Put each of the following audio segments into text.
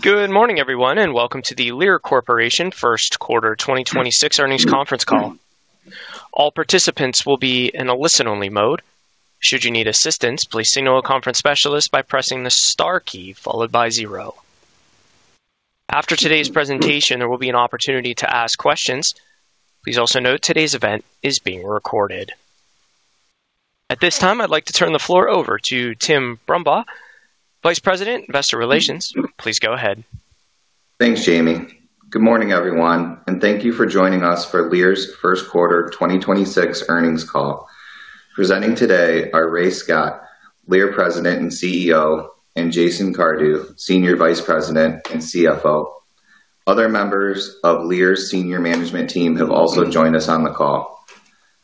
Good morning everyone, and welcome to the Lear Corporation Q1 2026 earnings conference call. All participants will be in a listen only mode. Should you need assistance, please signal a conference specialist by pressing the star key followed by zero. After today's presentation, there will be an opportunity to ask questions. Please also note today's event is being recorded. At this time, I'd like to turn the floor over to Tim Brumbaugh, Vice President, Investor Relations. Please go ahead. Thanks, Jamie. Good morning everyone, and thank you for joining us for Lear's Q1 2026 earnings call. Presenting today are Ray Scott, Lear President and CEO, and Jason Cardew, Senior Vice President and CFO. Other members of Lear's senior management team have also joined us on the call.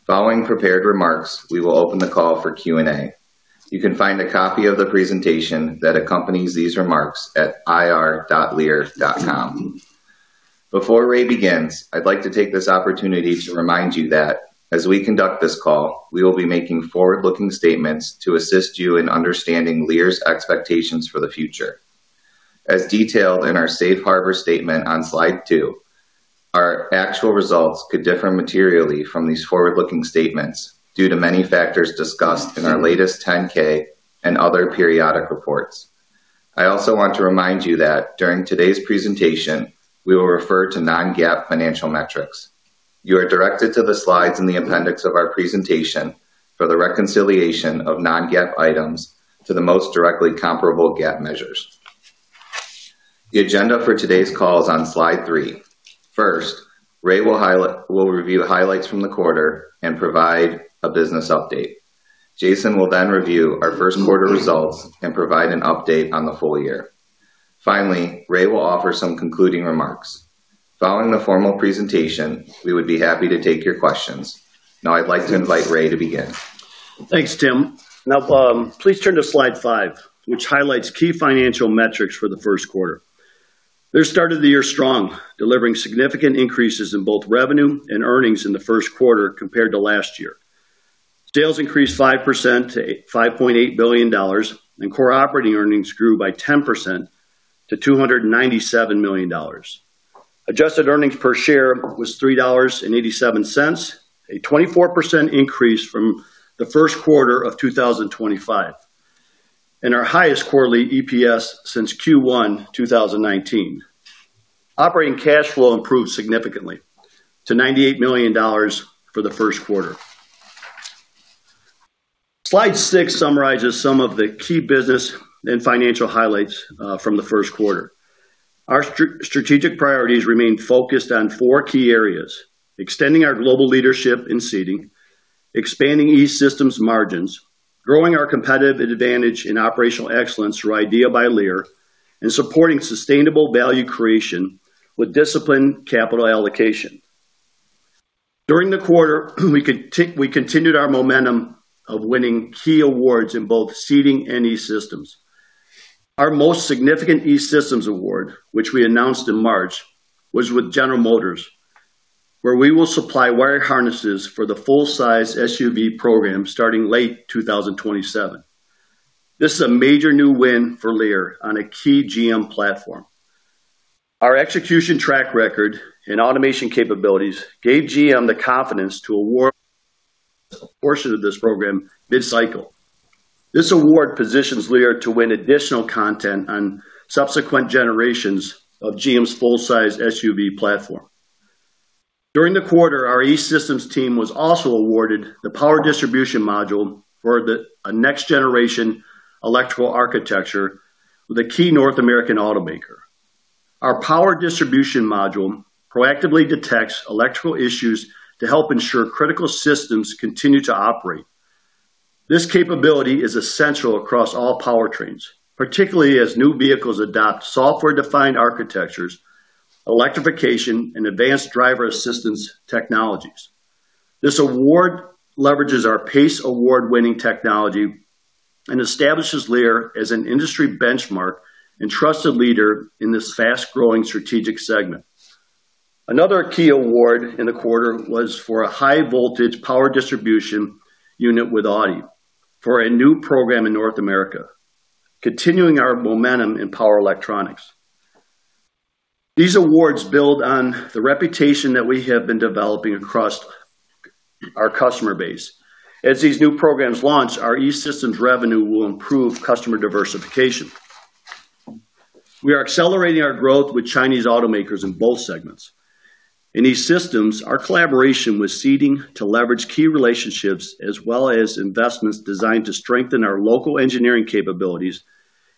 Following prepared remarks, we will open the call for Q&A. You can find a copy of the presentation that accompanies these remarks at ir.lear.com. Before Ray begins, I'd like to take this opportunity to remind you that as we conduct this call, we will be making forward-looking statements to assist you in understanding Lear's expectations for the future. As detailed in our safe harbor statement on slide two, our actual results could differ materially from these forward-looking statements due to many factors discussed in our latest 10-K and other periodic reports. I also want to remind you that during today's presentation we will refer to non-GAAP financial metrics. You are directed to the slides in the appendix of our presentation for the reconciliation of non-GAAP items to the most directly comparable GAAP measures. The agenda for today's call is on slide three. First, Ray will review highlights from the quarter and provide a business update. Jason will then review our Q1 results and provide an update on the full year. Finally, Ray will offer some concluding remarks. Following the formal presentation, we would be happy to take your questions. Now I'd like to invite Ray to begin. Thanks, Tim. Now, please turn to slide five, which highlights key financial metrics for the Q1. Lear started the year strong, delivering significant increases in both revenue and earnings in the Q1 compared to last year. Sales increased 5% to $5.8 billion, and core operating earnings grew by 10% to $297 million. Adjusted earnings per share was $3.87, a 24% increase from the Q1 of 2025, and our highest quarterly EPS since Q1 2019. Operating cash flow improved significantly to $98 million for the Q1. Slide six summarizes some of the key business and financial highlights from the Q1. Our strategic priorities remain focused on four key areas: extending our global leadership in seating, expanding E-Systems margins, growing our competitive advantage in operational excellence through IDEA by Lear, and supporting sustainable value creation with disciplined capital allocation. During the quarter, we continued our momentum of winning key awards in both seating and E-Systems. Our most significant E-Systems award, which we announced in March, was with General Motors, where we will supply wire harnesses for the full-size SUV program starting late 2027. This is a major new win for Lear on a key GM platform. Our execution track record and automation capabilities gave GM the confidence to award a portion of this program mid-cycle. This award positions Lear to win additional content on subsequent generations of GM's full-size SUV platform. During the quarter, our E-Systems team was also awarded the power distribution module for a next-generation electrical architecture with a key North American automaker. Our power distribution module proactively detects electrical issues to help ensure critical systems continue to operate. This capability is essential across all powertrains, particularly as new vehicles adopt software-defined architectures, electrification, and advanced driver assistance technologies. This award leverages our PACE Award-winning technology and establishes Lear as an industry benchmark and trusted leader in this fast-growing strategic segment. Another key award in the quarter was for a high voltage power distribution unit with Audi for a new program in North America, continuing our momentum in power electronics. These awards build on the reputation that we have been developing across our customer base. As these new programs launch, our E-Systems revenue will improve customer diversification. We are accelerating our growth with Chinese automakers in both segments. In E-Systems, our collaboration with Seating to leverage key relationships as well as investments designed to strengthen our local engineering capabilities,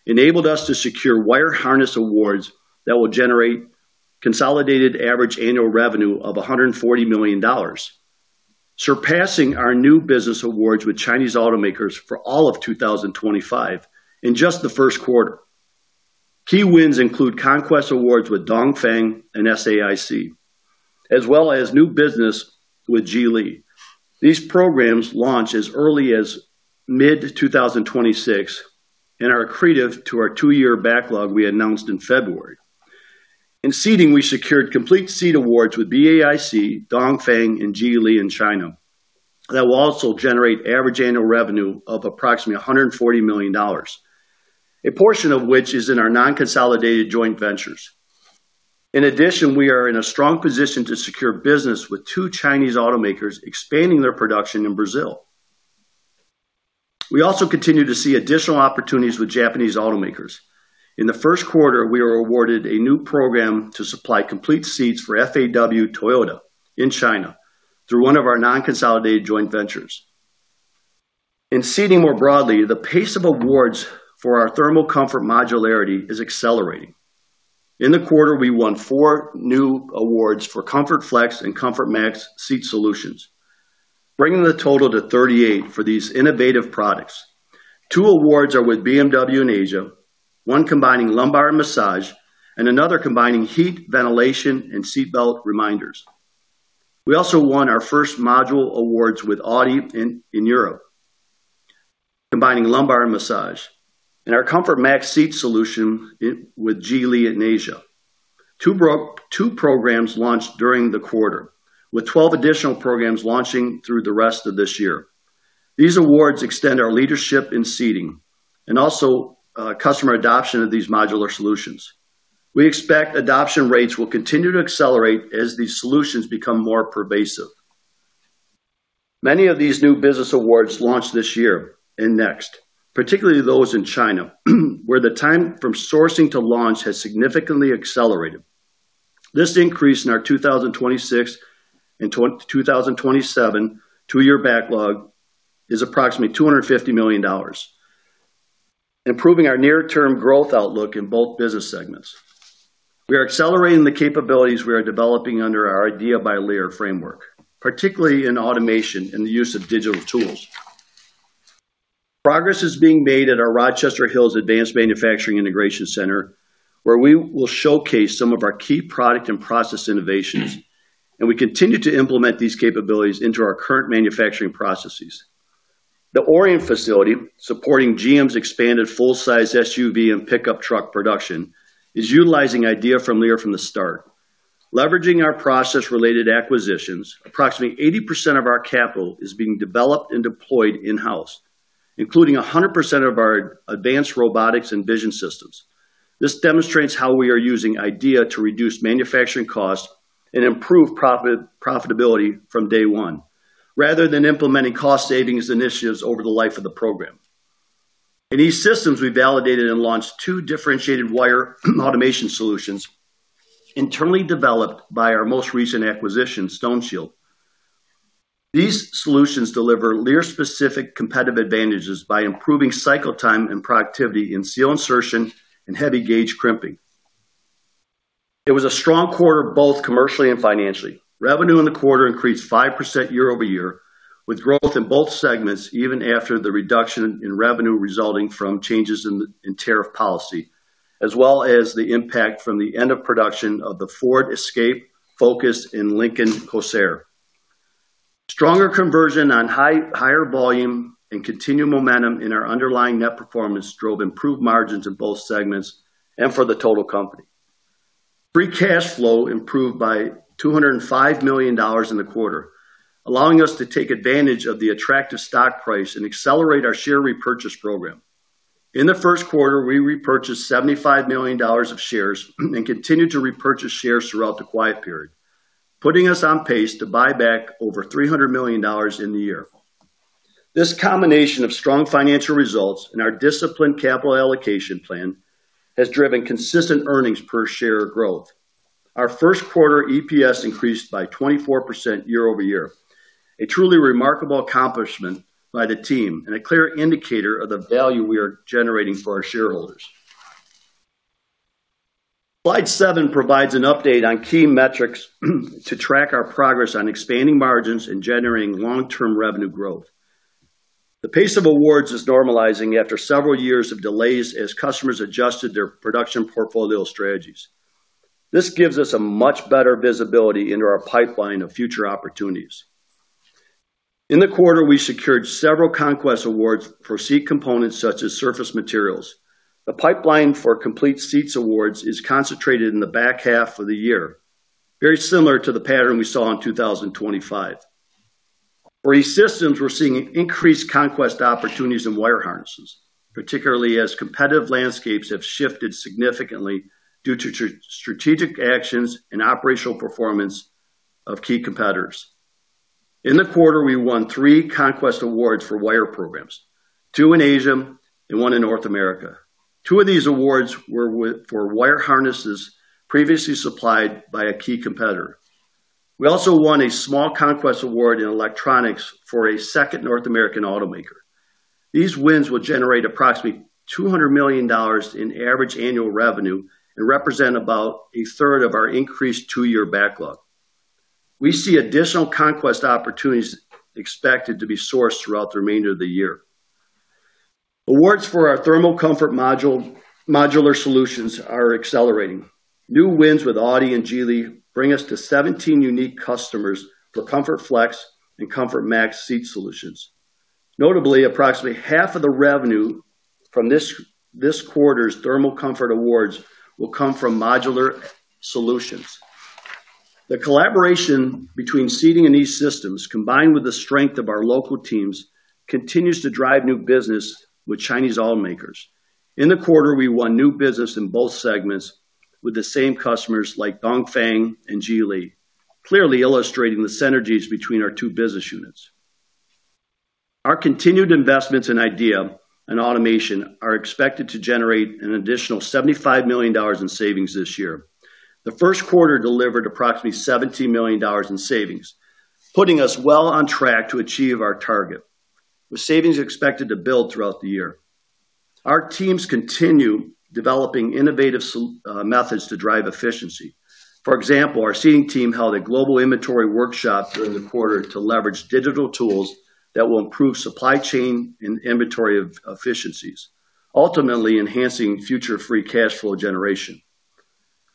enabled us to secure wire harness awards that will generate consolidated average annual revenue of $140 million, surpassing our new business awards with Chinese automakers for all of 2025 in just the Q1. Key wins include Conquest awards with Dongfeng and SAIC, as well as new business with Geely. These programs launch as early as mid-2026 and are accretive to our two-year backlog we announced in February. In Seating, we secured complete seat awards with BAIC, Dongfeng, and Geely in China that will also generate average annual revenue of approximately $140 million, a portion of which is in our non-consolidated joint ventures. In addition, we are in a strong position to secure business with two Chinese automakers expanding their production in Brazil. We also continue to see additional opportunities with Japanese automakers. In the Q1, we were awarded a new program to supply complete seats for FAW Toyota in China through one of our non-consolidated joint ventures. In seating more broadly, the pace of awards for our thermal comfort modularity is accelerating. In the quarter, we won four new awards for ComfortFlex and ComfortMax seat solutions, bringing the total to 38 for these innovative products. Two awards are with BMW in Asia, one combining lumbar massage and another combining heat, ventilation, and seatbelt reminders. We also won our first module awards with Audi in Europe, combining lumbar massage and our ComfortMax seat solution with Geely in Asia. Two programs launched during the quarter, with 12 additional programs launching through the rest of this year. These awards extend our leadership in seating and also customer adoption of these modular solutions. We expect adoption rates will continue to accelerate as these solutions become more pervasive. Many of these new business awards launch this year and next, particularly those in China, where the time from sourcing to launch has significantly accelerated. This increase in our 2026 and 2027 two-year backlog is approximately $250 million, improving our near-term growth outlook in both business segments. We are accelerating the capabilities we are developing under our IDEA by Lear framework, particularly in automation and the use of digital tools. Progress is being made at our Rochester Hills Advanced Manufacturing Integration Center, where we will showcase some of our key product and process innovations. We continue to implement these capabilities into our current manufacturing processes. The Orion facility, supporting GM's expanded full-size SUV and pickup truck production, is utilizing IDEA by Lear from the start. Leveraging our process-related acquisitions, approximately 80% of our capital is being developed and deployed in-house, including 100% of our advanced robotics and vision systems. This demonstrates how we are using IDEA to reduce manufacturing costs and improve profitability from day one rather than implementing cost savings initiatives over the life of the program. In E-Systems, we validated and launched two differentiated wire automation solutions internally developed by our most recent acquisition, Stoneshield. These solutions deliver Lear-specific competitive advantages by improving cycle time and productivity in seal insertion and heavy gauge crimping. It was a strong quarter, both commercially and financially. Revenue in the quarter increased 5% year-over-year, with growth in both segments even after the reduction in revenue resulting from changes in tariff policy as well as the impact from the end of production of the Ford Escape, Ford Focus, and Lincoln Corsair. Stronger conversion on higher volume and continued momentum in our underlying net performance drove improved margins in both segments and for the total company. Free cash flow improved by $205 million in the quarter, allowing us to take advantage of the attractive stock price and accelerate our share repurchase program. In the Q1, we repurchased $75 million of shares and continued to repurchase shares throughout the quiet period, putting us on pace to buy back over $300 million in the year. This combination of strong financial results and our disciplined capital allocation plan has driven consistent earnings per share growth. Our Q1 EPS increased by 24% year-over-year, a truly remarkable accomplishment by the team and a clear indicator of the value we are generating for our shareholders. Slide seven provides an update on key metrics to track our progress on expanding margins and generating long-term revenue growth. The pace of awards is normalizing after several years of delays as customers adjusted their production portfolio strategies. This gives us a much better visibility into our pipeline of future opportunities. In the quarter, we secured several Conquest awards for seat components such as surface materials. The pipeline for complete seats awards is concentrated in the back half of the year, very similar to the pattern we saw in 2025. For E-Systems, we're seeing increased Conquest opportunities in wire harnesses, particularly as competitive landscapes have shifted significantly due to strategic actions and operational performance of key competitors. In the quarter, we won three Conquest awards for wire programs, two in Asia and one in North America. Two of these awards were for wire harnesses previously supplied by a key competitor. We also won a small Conquest award in electronics for a second North American automaker. These wins will generate approximately $200 million in average annual revenue and represent about a third of our increased two-year backlog. We see additional conquest opportunities expected to be sourced throughout the remainder of the year. Awards for our thermal comfort modular solutions are accelerating. New wins with Audi and Geely bring us to 17 unique customers for ComfortFlex and ComfortMax seat solutions. Notably, approximately half of the revenue from this quarter's thermal comfort awards will come from modular solutions. The collaboration between seating and E-Systems, combined with the strength of our local teams, continues to drive new business with Chinese automakers. In the quarter, we won new business in both segments with the same customers like Dongfeng and Geely, clearly illustrating the synergies between our two business units. Our continued investments in IDEA and automation are expected to generate an additional $75 million in savings this year. The Q1 delivered approximately $70 million in savings, putting us well on track to achieve our target, with savings expected to build throughout the year. Our teams continue developing innovative methods to drive efficiency. For example, our seating team held a global inventory workshop during the quarter to leverage digital tools that will improve supply chain and inventory efficiencies, ultimately enhancing future free cash flow generation.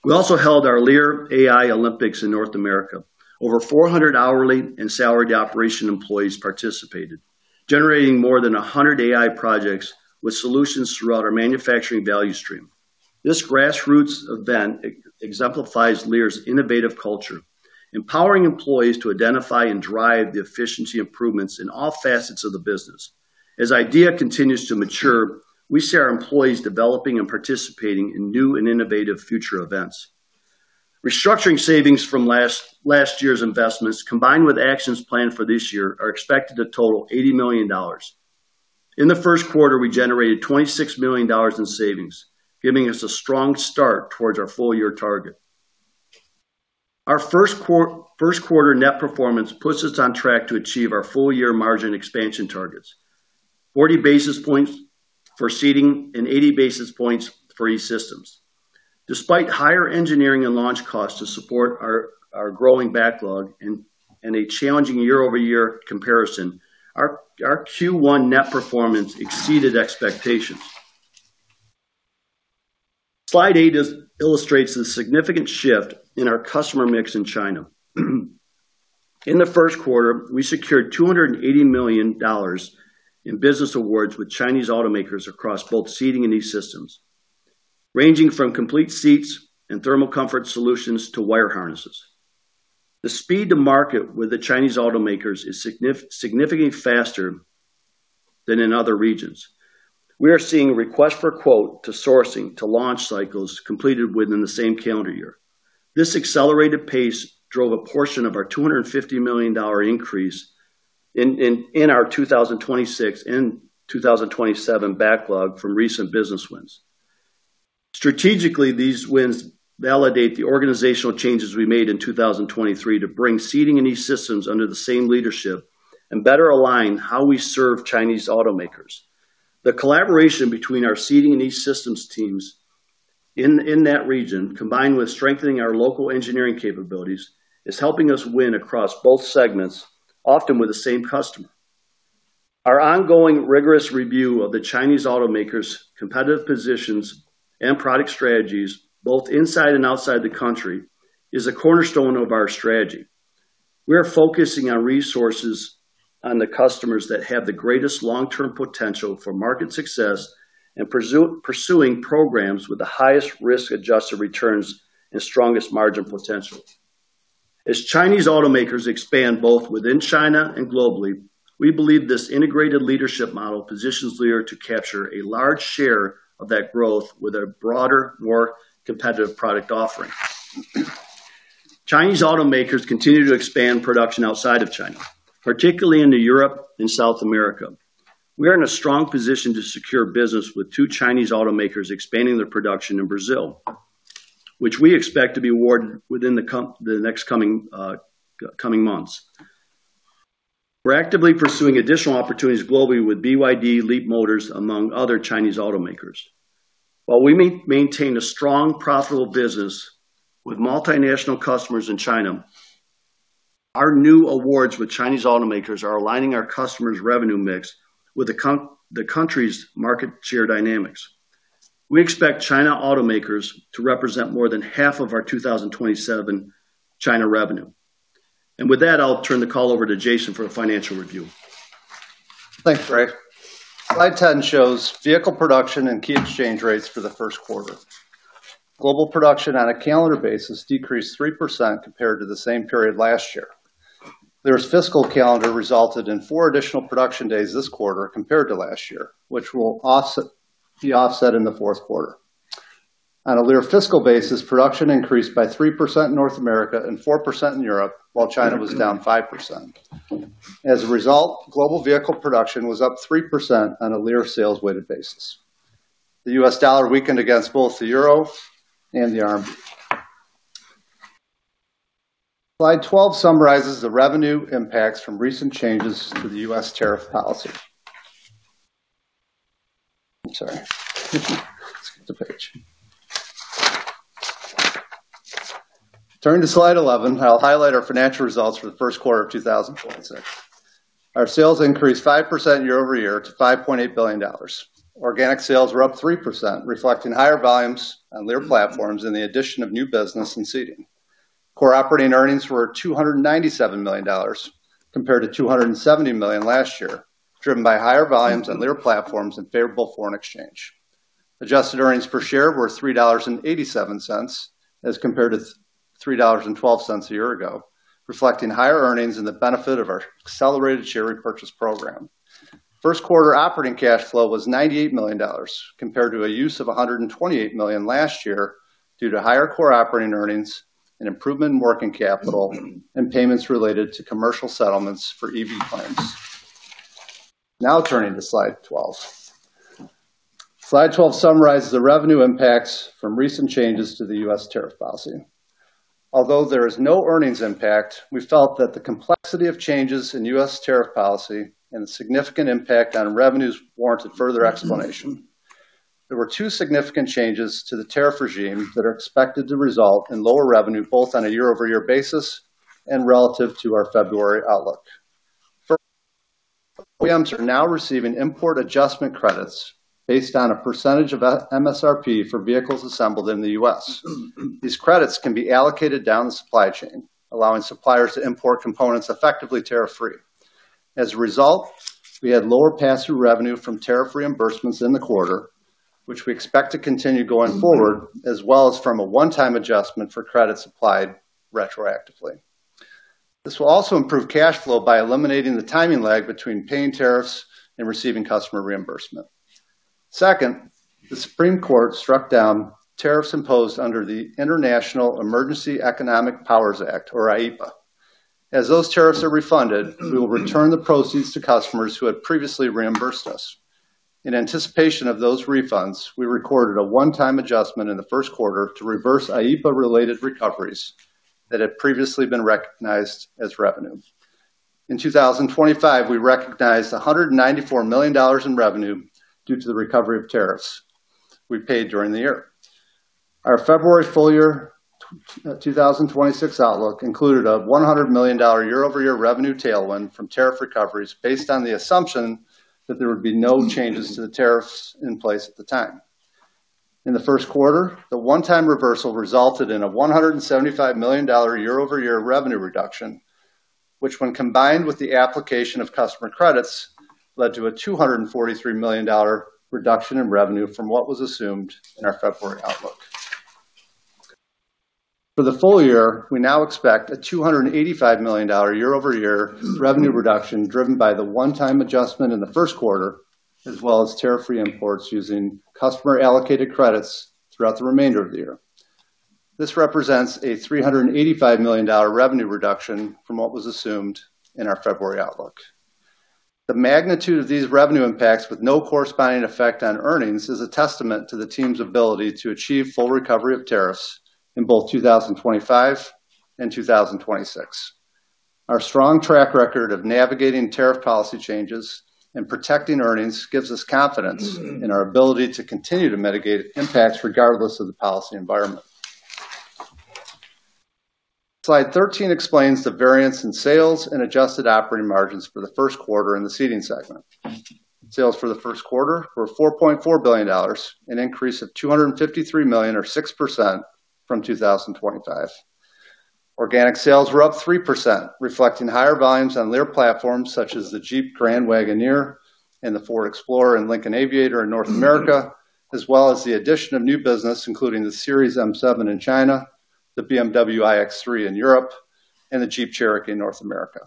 We also held our Lear AI Olympics in North America. Over 400 hourly and salaried operation employees participated, generating more than 100 AI projects with solutions throughout our manufacturing value stream. This grassroots event exemplifies Lear's innovative culture, empowering employees to identify and drive the efficiency improvements in all facets of the business. As IDEA continues to mature, we see our employees developing and participating in new and innovative future events. Restructuring savings from last year's investments, combined with actions planned for this year, are expected to total $80 million. In the Q1, we generated $26 million in savings, giving us a strong start towards our full year target. Our Q1 net performance puts us on track to achieve our full year margin expansion targets, 40 basis points for Seating and 80 basis points for E-Systems. Despite higher engineering and launch costs to support our growing backlog and a challenging year-over-year comparison, our Q1 net performance exceeded expectations. Slide eight illustrates the significant shift in our customer mix in China. In the Q1, we secured $280 million in business awards with Chinese automakers across both Seating and E-Systems, ranging from complete seats and thermal comfort solutions to wire harnesses. The speed to market with the Chinese automakers is significantly faster than in other regions. We are seeing request for quote to sourcing to launch cycles completed within the same calendar year. This accelerated pace drove a portion of our $250 million increase in our 2026 and 2027 backlog from recent business wins. Strategically, these wins validate the organizational changes we made in 2023 to bring seating and E-Systems under the same leadership and better align how we serve Chinese automakers. The collaboration between our seating and E-Systems teams in that region, combined with strengthening our local engineering capabilities, is helping us win across both segments, often with the same customer. Our ongoing rigorous review of the Chinese automakers' competitive positions and product strategies, both inside and outside the country, is a cornerstone of our strategy. We are focusing our resources on the customers that have the greatest long-term potential for market success and pursuing programs with the highest risk-adjusted returns and strongest margin potential. As Chinese automakers expand both within China and globally, we believe this integrated leadership model positions Lear to capture a large share of that growth with a broader, more competitive product offering. Chinese automakers continue to expand production outside of China, particularly into Europe and South America. We are in a strong position to secure business with two Chinese automakers expanding their production in Brazil, which we expect to be awarded within the next coming months. We're actively pursuing additional opportunities globally with BYD, Leapmotor, among other Chinese automakers. While we maintain a strong, profitable business with multinational customers in China, our new awards with Chinese automakers are aligning our customers' revenue mix with the country's market share dynamics. We expect China automakers to represent more than half of our 2027 China revenue. With that, I'll turn the call over to Jason for a financial review. Thanks, Ray. Slide 10 shows vehicle production and key exchange rates for the Q1. Global production on a calendar basis decreased 3% compared to the same period last year. Their fiscal calendar resulted in four additional production days this quarter compared to last year, which will be offset in the Q4. On a Lear fiscal basis, production increased by 3% in North America and 4% in Europe, while China was down 5%. As a result, global vehicle production was up 3% on a Lear sales-weighted basis. The U.S. dollar weakened against both the euro and the RMB. Slide 12 summarizes the revenue impacts from recent changes to the U.S. tariff policy. I'm sorry. Skipped a page. Turning to slide 11, I'll highlight our financial results for the Q1 of 2026. Our sales increased 5% year-over-year to $5.8 billion. Organic sales were up 3%, reflecting higher volumes on Lear platforms and the addition of new business in seating. Core operating earnings were $297 million compared to $270 million last year, driven by higher volumes on Lear platforms and favorable foreign exchange. Adjusted earnings per share were $3.87 as compared to $3.12 a year ago, reflecting higher earnings and the benefit of our accelerated share repurchase program. Q1 operating cash flow was $98 million compared to a use of $128 million last year due to higher core operating earnings, an improvement in working capital, and payments related to commercial settlements for EV claims. Now turning to slide 12. Slide 12 summarizes the revenue impacts from recent changes to the U.S. tariff policy. Although there is no earnings impact, we felt that the complexity of changes in U.S. tariff policy and the significant impact on revenues warranted further explanation. There were two significant changes to the tariff regime that are expected to result in lower revenue, both on a year-over-year basis and relative to our February outlook. First, OEMs are now receiving import adjustment credits based on a percentage of MSRP for vehicles assembled in the U.S. These credits can be allocated down the supply chain, allowing suppliers to import components effectively tariff-free. As a result, we had lower pass-through revenue from tariff reimbursements in the quarter, which we expect to continue going forward, as well as from a one-time adjustment for credit supplied retroactively. This will also improve cash flow by eliminating the timing lag between paying tariffs and receiving customer reimbursement. Second, the Supreme Court struck down tariffs imposed under the International Emergency Economic Powers Act, or IEEPA. As those tariffs are refunded, we will return the proceeds to customers who had previously reimbursed us. In anticipation of those refunds, we recorded a one-time adjustment in the Q1 to reverse IEEPA-related recoveries that had previously been recognized as revenue. In 2025, we recognized $194 million in revenue due to the recovery of tariffs we paid during the year. Our February full-year 2026 outlook included a $100 million year-over-year revenue tailwind from tariff recoveries based on the assumption that there would be no changes to the tariffs in place at the time. In the Q1, the one-time reversal resulted in a $175 million year-over-year revenue reduction, which when combined with the application of customer credits, led to a $243 million reduction in revenue from what was assumed in our February outlook. For the full year, we now expect a $285 million year-over-year revenue reduction driven by the one-time adjustment in the Q1, as well as tariff-free imports using customer allocated credits throughout the remainder of the year. This represents a $385 million revenue reduction from what was assumed in our February outlook. The magnitude of these revenue impacts with no corresponding effect on earnings is a testament to the team's ability to achieve full recovery of tariffs in both 2025 and 2026. Our strong track record of navigating tariff policy changes and protecting earnings gives us confidence in our ability to continue to mitigate impacts regardless of the policy environment. Slide 13 explains the variance in sales and adjusted operating margins for the Q1 in the seating segment. Sales for the Q1 were $4.4 billion, an increase of $253 million or 6% from 2025. Organic sales were up 3%, reflecting higher volumes on Lear platforms such as the Jeep Grand Wagoneer and the Ford Explorer and Lincoln Aviator in North America, as well as the addition of new business, including the AITO M7 in China, the BMW iX3 in Europe, and the Jeep Cherokee in North America.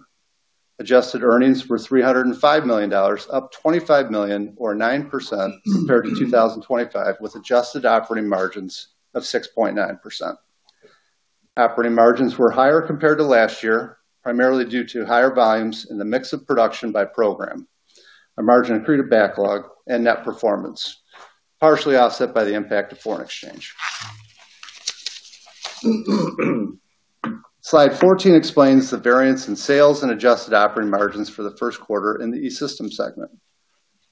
Adjusted earnings were $305 million, up $25 million or 9% compared to 2025 with adjusted operating margins of 6.9%. Operating margins were higher compared to last year, primarily due to higher volumes in the mix of production by program, a margin accreted backlog and net performance, partially offset by the impact of foreign exchange. Slide 14 explains the variance in sales and adjusted operating margins for the Q1 in the E-Systems segment.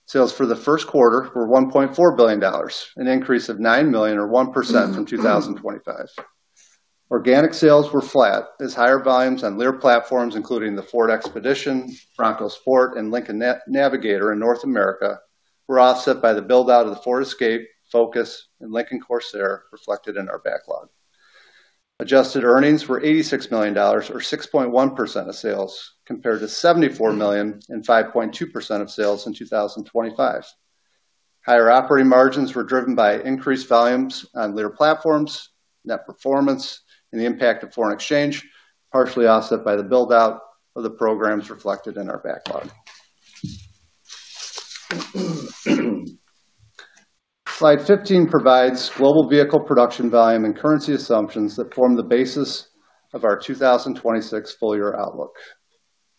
Sales for the Q1 were $1.4 billion, an increase of $9 million or 1% from 2025. Organic sales were flat as higher volumes on Lear platforms, including the Ford Expedition, Bronco Sport, and Lincoln Navigator in North America were offset by the build-out of the Ford Escape, Focus, and Lincoln Corsair reflected in our backlog. Adjusted earnings were $86 million or 6.1% of sales, compared to $74 million and 5.2% of sales in 2025. Higher operating margins were driven by increased volumes on Lear platforms, net performance, and the impact of foreign exchange, partially offset by the build-out of the programs reflected in our backlog. Slide 15 provides global vehicle production volume and currency assumptions that form the basis of our 2026 full-year outlook.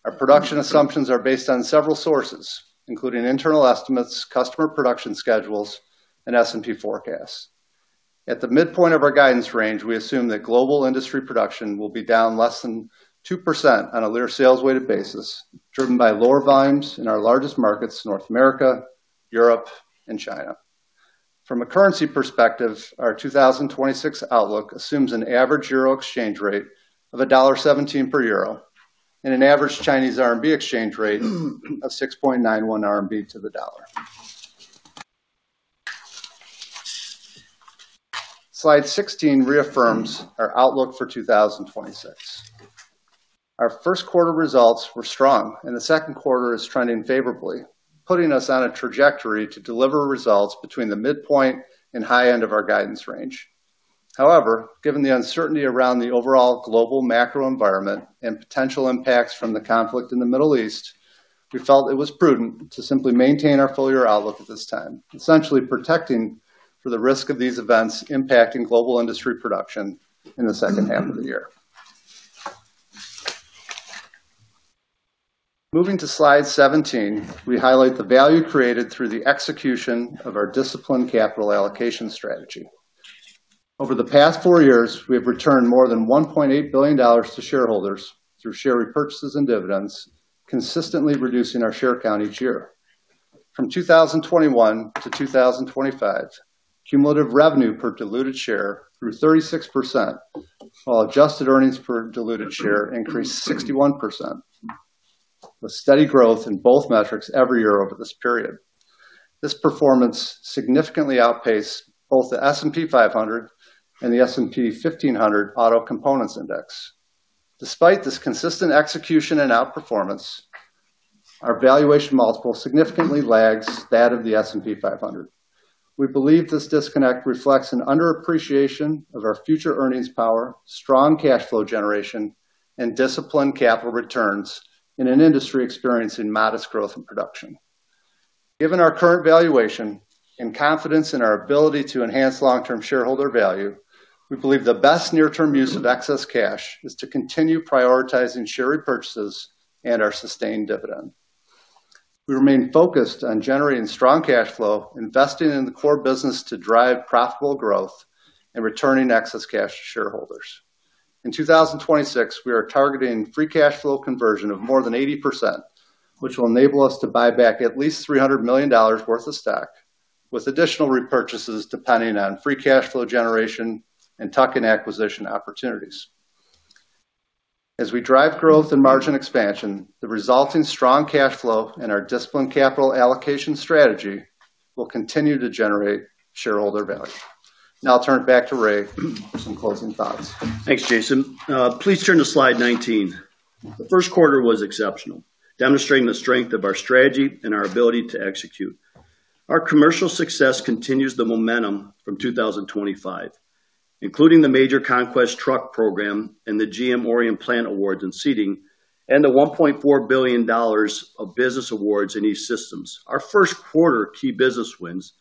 Our production assumptions are based on several sources, including internal estimates, customer production schedules, and S&P forecasts. At the midpoint of our guidance range, we assume that global industry production will be down less than 2% on a Lear sales weighted basis, driven by lower volumes in our largest markets, North America, Europe, and China. From a currency perspective, our 2026 outlook assumes an average euro exchange rate of $1.17 per euro and an average Chinese RMB exchange rate of 6.91 RMB to the dollar. Slide 16 reaffirms our outlook for 2026. Our Q1 results were strong, and the Q2 is trending favorably, putting us on a trajectory to deliver results between the midpoint and high end of our guidance range. However, given the uncertainty around the overall global macro environment and potential impacts from the conflict in the Middle East, we felt it was prudent to simply maintain our full-year outlook at this time, essentially protecting for the risk of these events impacting global industry production in the H2 of the year. Moving to slide 17, we highlight the value created through the execution of our disciplined capital allocation strategy. Over the past four years, we have returned more than $1.8 billion to shareholders through share repurchases and dividends, consistently reducing our share count each year. From 2021 to 2025, cumulative revenue per diluted share grew 36%, while adjusted earnings per diluted share increased 61%, with steady growth in both metrics every year over this period. This performance significantly outpaced both the S&P 500 and the S&P Composite 1500 Auto Components Index. Despite this consistent execution and outperformance, our valuation multiple significantly lags that of the S&P 500. We believe this disconnect reflects an underappreciation of our future earnings power, strong cash flow generation, and disciplined capital returns in an industry experiencing modest growth and production. Given our current valuation and confidence in our ability to enhance long-term shareholder value, we believe the best near-term use of excess cash is to continue prioritizing share repurchases and our sustained dividend. We remain focused on generating strong cash flow, investing in the core business to drive profitable growth, and returning excess cash to shareholders. In 2026, we are targeting free cash flow conversion of more than 80%, which will enable us to buy back at least $300 million worth of stock, with additional repurchases depending on free cash flow generation and tuck-in acquisition opportunities. As we drive growth and margin expansion, the resulting strong cash flow and our disciplined capital allocation strategy will continue to generate shareholder value. Now I'll turn it back to Ray for some closing thoughts. Thanks, Jason. Please turn to slide 19. The Q1 was exceptional, demonstrating the strength of our strategy and our ability to execute. Our commercial success continues the momentum from 2025, including the major Conquest program and the GM Orion Plant awards in seating, the $1.4 billion of business awards in E-Systems. Our Q1 key business wins,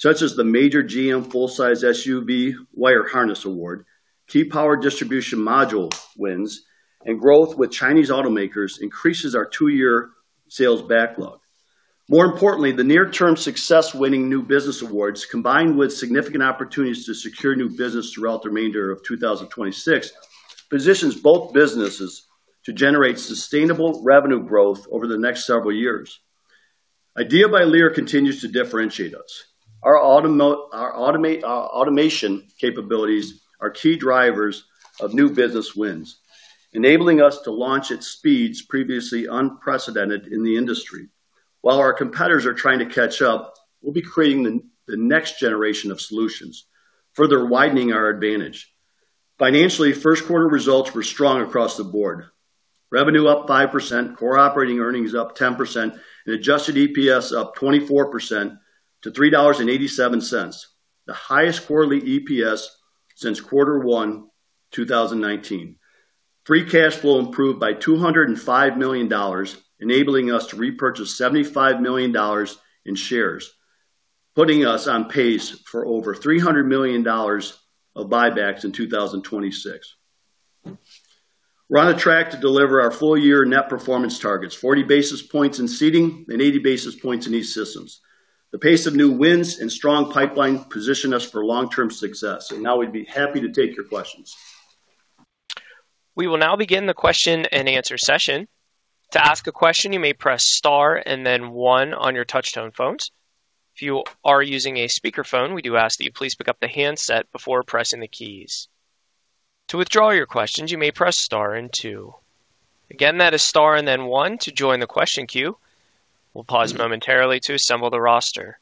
such as the major GM full-size SUV wire harness award, key power distribution module wins, and growth with Chinese automakers increases our two-year sales backlog. More importantly, the near-term success winning new business awards, combined with significant opportunities to secure new business throughout the remainder of 2026, positions both businesses to generate sustainable revenue growth over the next several years. IDEA by Lear continues to differentiate us. Our automation capabilities are key drivers of new business wins, enabling us to launch at speeds previously unprecedented in the industry. While our competitors are trying to catch up, we'll be creating the next generation of solutions, further widening our advantage. Financially, Q1 results were strong across the board. Revenue up 5%, core operating earnings up 10%, and adjusted EPS up 24% to $3.87, the highest quarterly EPS since quarter one 2019. Free cash flow improved by $205 million, enabling us to repurchase $75 million in shares, putting us on pace for over $300 million of buybacks in 2026. We're on a track to deliver our full year net performance targets, 40 basis points in seating and 80 basis points in E-Systems. The pace of new wins and strong pipeline position us for long-term success. Now we'd be happy to take your questions. We will now begin the question-and-answer session. To ask a question, you may press star and then one on your touch-tone phones. You are using a speakerphone we do ask you please pick up the handset before pressing the keys. To withdraw your questions you may press star and two. Again that is star and then one to join the question queue, pause momentarily to [inaudible] the roster.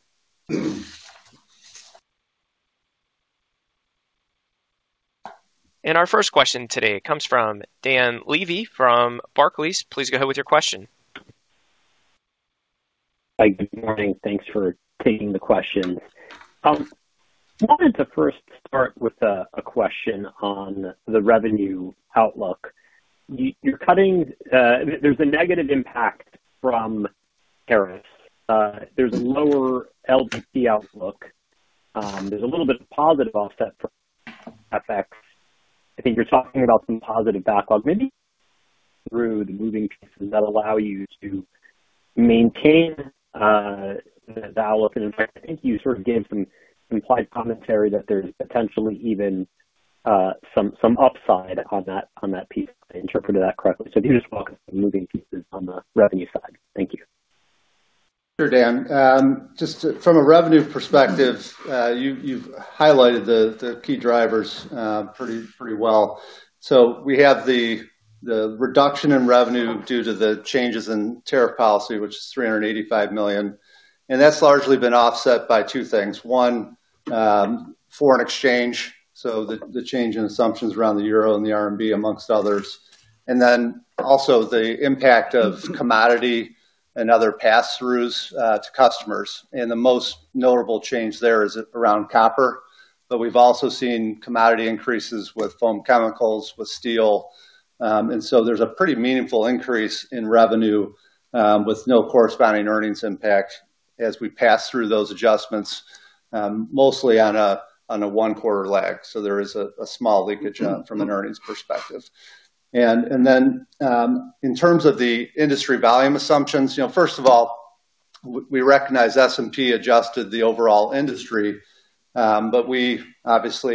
Our first question today comes from Dan Levy from Barclays. Please go ahead with your question. Hi. Good morning. Thanks for taking the questions. I wanted to first start with a question on the revenue outlook. There's a negative impact from tariffs. There's a lower LDP outlook. There's a little bit of positive offset from FX. I think you're talking about some positive backlog maybe through the moving pieces that allow you to maintain the outlook. In fact, I think you sort of gave some implied commentary that there's potentially even some upside on that piece, if I interpreted that correctly. If you just walk us through the moving pieces on the revenue side? Thank you. Sure, Dan. From a revenue perspective, you've highlighted the key drivers pretty well. We have the reduction in revenue due to the changes in tariff policy, which is $385 million. That's largely been offset by two things. One, foreign exchange. The change in assumptions around the EUR and the RMB, amongst others. Also the impact of commodity and other passthroughs to customers. The most notable change there is around copper. We've also seen commodity increases with foam chemicals, with steel. There's a pretty meaningful increase in revenue with no corresponding earnings impact as we pass through those adjustments mostly on a one-quarter lag. There is a small leakage from an earnings perspective. Then, in terms of the industry volume assumptions, you know, first of all, we recognize S&P adjusted the overall industry. We don't sell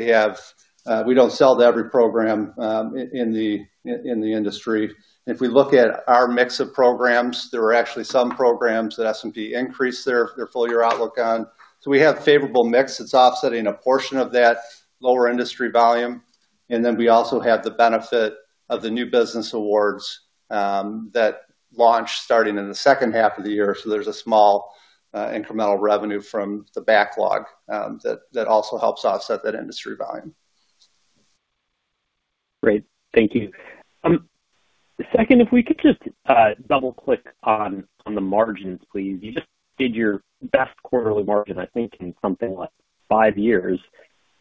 to every program in the industry. If we look at our mix of programs, there were actually some programs that S&P increased their full-year outlook on. We have favorable mix that's offsetting a portion of that lower industry volume, and then we also have the benefit of the new business awards that launch starting in the H2 of the year. There's a small incremental revenue from the backlog that also helps offset that industry volume. Great. Thank you. Second, if we could just double-click on the margins, please. You just did your best quarterly margin, I think, in something like five years.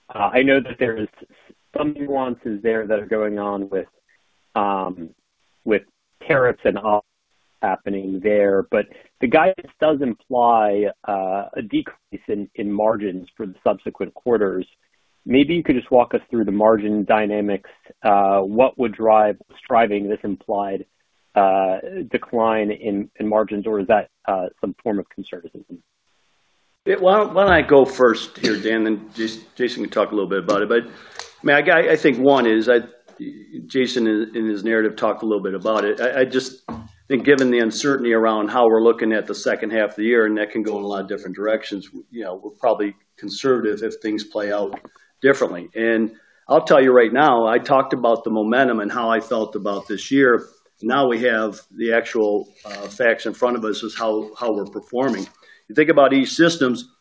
I know that there is some nuances there that are going on with tariffs and all happening there. The guidance does imply a decrease in margins for the subsequent quarters. Maybe you could just walk us through the margin dynamics. What would drive this implied decline in margins, or is that some form of conservatism? Why don't I go first here, Dan, Jason can talk a little bit about it. I mean, I think one is, Jason in his narrative talked a little bit about it. I just think given the uncertainty around how we're looking at the H2 of the year, that can go in a lot of different directions, you know, we're probably conservative if things play out differently. I'll tell you right now, I talked about the momentum and how I felt about this year. Now we have the actual facts in front of us as how we're performing. You think about E-Systems,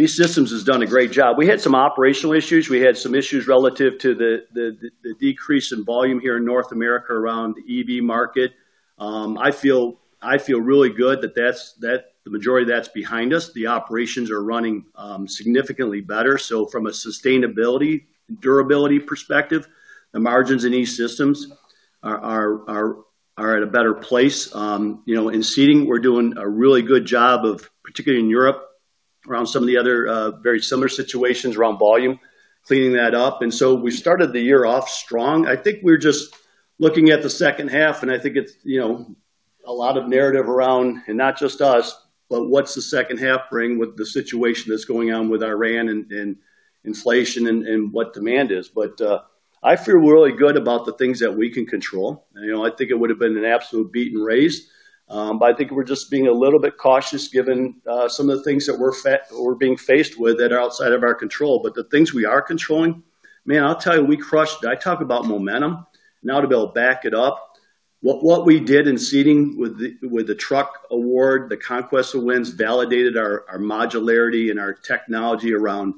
E-Systems has done a great job. We had some operational issues. We had some issues relative to the decrease in volume here in North America around the EV market. I feel really good that that's, that the majority of that's behind us. The operations are running significantly better. From a sustainability, durability perspective, the margins in E-Systems are at a better place. You know, in seating, we're doing a really good job of, particularly in Europe, around some of the other very similar situations around volume, cleaning that up. We started the year off strong. I think we're just looking at the H2, and I think it's, you know, a lot of narrative around, and not just us, but what's the H2 bring with the situation that's going on with Iran and inflation and what demand is. I feel really good about the things that we can control. You know, I think it would've been an absolute beat and raise. I think we're just being a little bit cautious given some of the things that we're being faced with that are outside of our control. The things we are controlling, man, I'll tell you, we crushed. I talk about momentum. Now to be able to back it up, what we did in seating with the truck award, the conquest of wins validated our modularity and our technology around,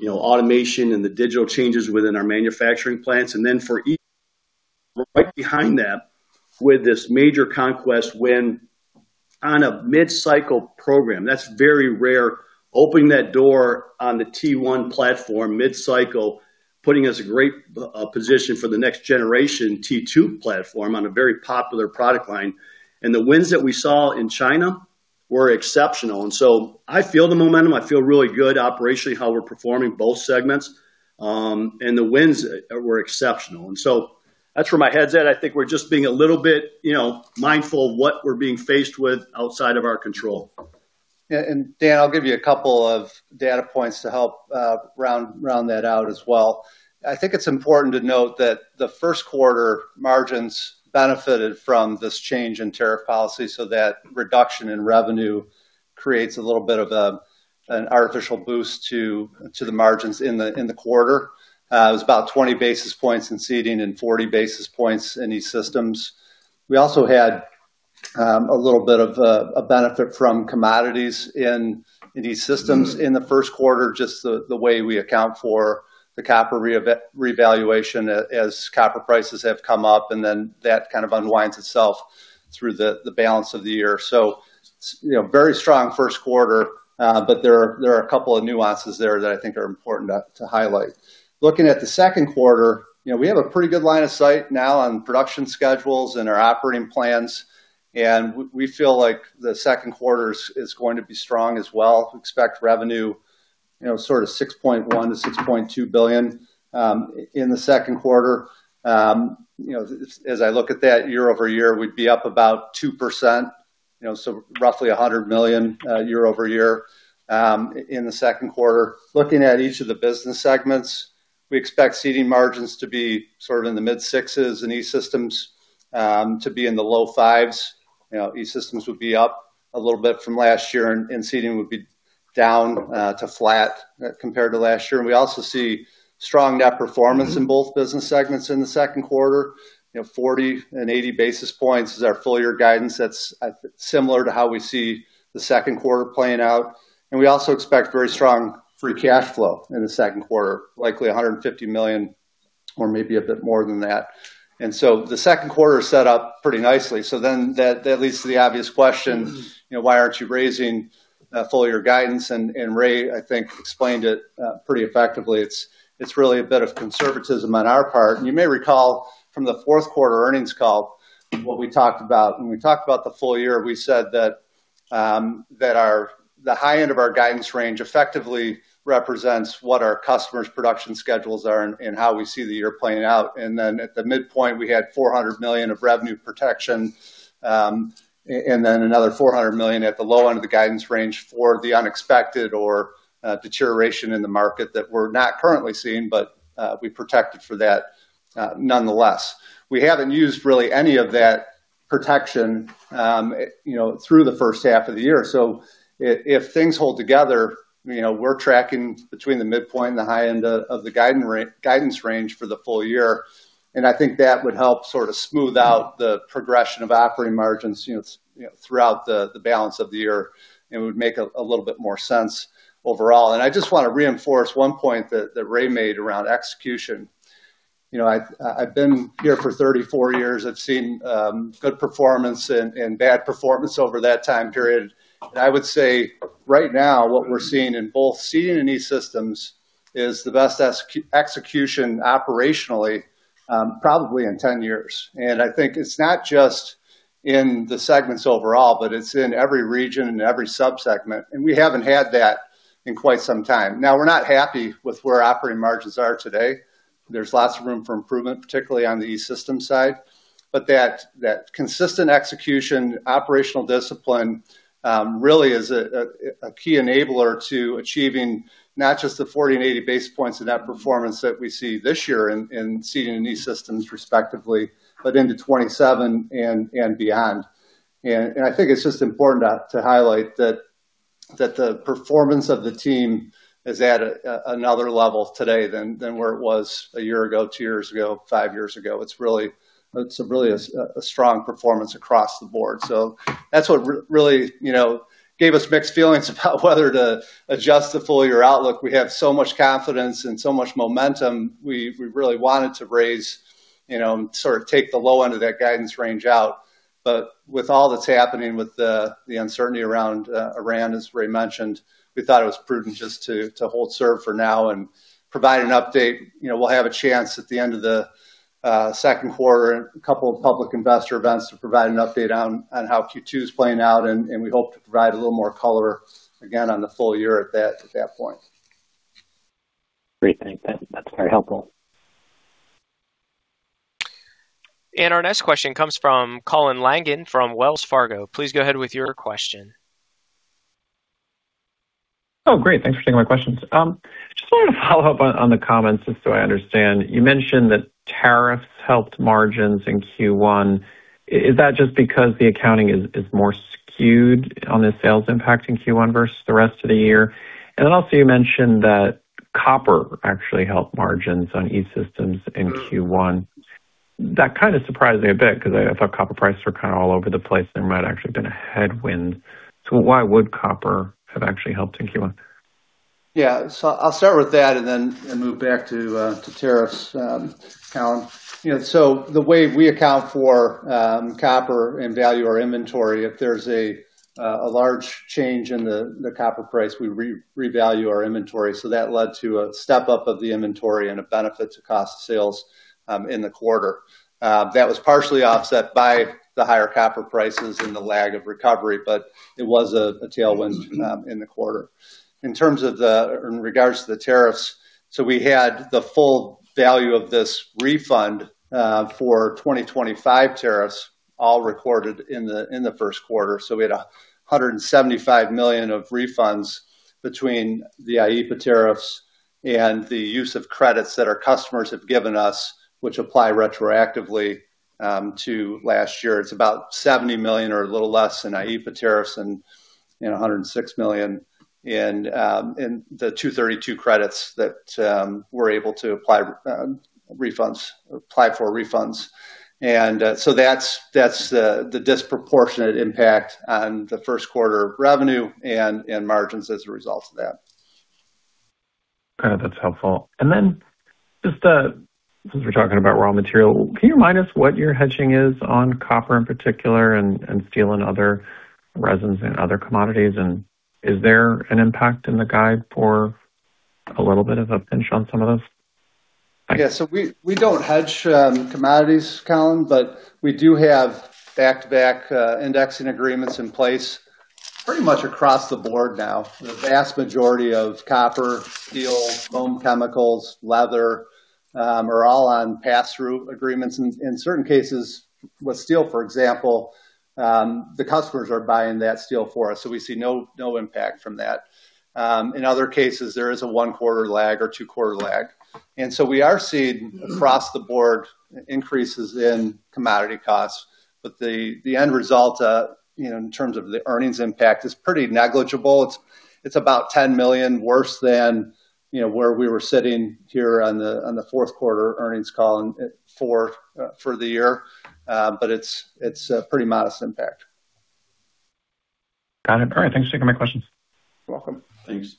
you know, automation and the digital changes within our manufacturing plants. For E-Systems right behind that, with this major conquest win on a mid-cycle program, that's very rare, opening that door on the T1 platform mid-cycle, putting us a great position for the next generation T2 platform on a very popular product line. The wins that we saw in China were exceptional. I feel the momentum. I feel really good operationally how we're performing both segments. The wins were exceptional. That's where my head's at. I think we're just being a little bit, you know, mindful of what we're being faced with outside of our control. Dan, I'll give you a couple of data points to help round that out as well. I think it's important to note that the Q1 margins benefited from this change in tariff policy so that reduction in revenue creates a little bit of an artificial boost to the margins in the quarter. It was about 20 basis points in seating and 40 basis points in E-Systems. We also had a little bit of a benefit from commodities in E-Systems in the Q1, just the way we account for the copper revaluation as copper prices have come up, and then that kind of unwinds itself through the balance of the year. You know, very strong Q1, but there are a couple of nuances there that I think are important to highlight. Looking at the Q2, you know, we have a pretty good line of sight now on production schedules and our operating plans, and we feel like the Q2 is going to be strong as well. We expect revenue, you know, sort of $6.1 billion-$6.2 billion in the Q2. You know, as I look at that year-over-year, we'd be up about 2%. You know, roughly $100 million year-over-year in the Q2. Looking at each of the business segments, we expect Seating margins to be sort of in the mid-6s and E-Systems to be in the low 5s. You know, E-Systems would be up a little bit from last year and seating would be down to flat compared to last year. We also see strong net performance in both business segments in the Q2. You know, 40 and 80 basis points is our full year guidance. That's similar to how we see the Q2 playing out. We also expect very strong free cash flow in the Q2, likely $150 million or maybe a bit more than that. The Q2 is set up pretty nicely. That leads to the obvious question, you know, why aren't you raising full year guidance? And Ray, I think, explained it pretty effectively. It's really a bit of conservatism on our part. You may recall from the Q4 earnings call what we talked about. When we talked about the full year, we said that the high end of our guidance range effectively represents what our customers' production schedules are and how we see the year playing out. At the midpoint, we had $400 million of revenue protection, and then another $400 million at the low end of the guidance range for the unexpected or deterioration in the market that we're not currently seeing, but we protected for that nonetheless. We haven't used really any of that protection, you know, through the H1 of the year. If, if things hold together, you know, we're tracking between the midpoint and the high end of the guidance range for the full year, and I think that would help sort of smooth out the progression of operating margins, you know, throughout the balance of the year and would make a little bit more sense overall. I just wanna reinforce one point that Ray made around execution. You know, I've been here for 34 years. I've seen good performance and bad performance over that time period. I would say right now what we're seeing in both C and E-Systems is the best execution operationally, probably in 10 years. I think it's not just in the segments overall, but it's in every region and every sub-segment. We haven't had that in quite some time. Now, we're not happy with where operating margins are today. There's lots of room for improvement, particularly on the E-System side. That, that consistent execution, operational discipline, really is a key enabler to achieving not just the 40 and 80 basis points of net performance that we see this year in C and E-Systems respectively, but into 2027 and beyond. I think it's just important to highlight that the performance of the team is at another level today than where it was one year ago, two years ago, five years ago. It's really a strong performance across the board. That's what really, you know, gave us mixed feelings about whether to adjust the full-year outlook. We have so much confidence and so much momentum, we really wanted to raise, you know, sort of take the low end of that guidance range out. With all that's happening with the uncertainty around Iran, as Ray mentioned, we thought it was prudent just to hold serve for now and provide an update. You know, we'll have a chance at the end of the Q2 and a couple of public investor events to provide an update on how Q2 is playing out, and we hope to provide a little more color again on the full year at that point. Great. Thanks. That's very helpful. Our next question comes from Colin Langan from Wells Fargo. Please go ahead with your question. Great. Thanks for taking my questions. Just wanted to follow up on the comments just so I understand. You mentioned that tariffs helped margins in Q1. Is that just because the accounting is more skewed on the sales impact in Q1 versus the rest of the year? Also you mentioned that copper actually helped margins on E-Systems in Q1. That kind of surprised me a bit because I thought copper prices were kind of all over the place, and there might have actually been a headwind. Why would copper have actually helped in Q1? Yeah. I'll start with that and then, and move back to tariffs, Colin. You know, the way we account for copper and value our inventory, if there's a large change in the copper price, we revalue our inventory. That led to a step-up of the inventory and a benefit to cost sales in the quarter. That was partially offset by the higher copper prices and the lag of recovery, but it was a tailwind in the quarter. In regards to the tariffs, we had the full value of this refund for 2025 tariffs all recorded in the Q1. We had $175 million of refunds between the IEEPA tariffs and the use of credits that our customers have given us, which apply retroactively to last year. It's about $70 million or a little less in IEEPA tariffs and, you know, $106 million in the Section 232 credits that we're able to apply refunds or apply for refunds. That's, that's the disproportionate impact on the Q1 revenue and margins as a result of that. Got it. That's helpful. Then just, since we're talking about raw material, can you remind us what your hedging is on copper in particular and steel and other resins and other commodities? Is there an impact in the guide for a little bit of a pinch on some of those? We don't hedge commodities, Colin, but we do have back-to-back indexing agreements in place pretty much across the board now. The vast majority of copper, steel, foam chemicals, leather are on pass-through agreements. In certain cases, with steel, for example, the customers are buying that steel for us, so we see no impact from that. In other cases, there is a one-quarter lag or two-quarter lag. We are seeing across the board increases in commodity costs, but the end result, you know, in terms of the earnings impact is pretty negligible. It's about $10 million worse than, you know, where we were sitting here on the Q4 earnings call for the year. It's a pretty modest impact. Got it. All right. Thanks. That's all my questions. You're welcome. Please.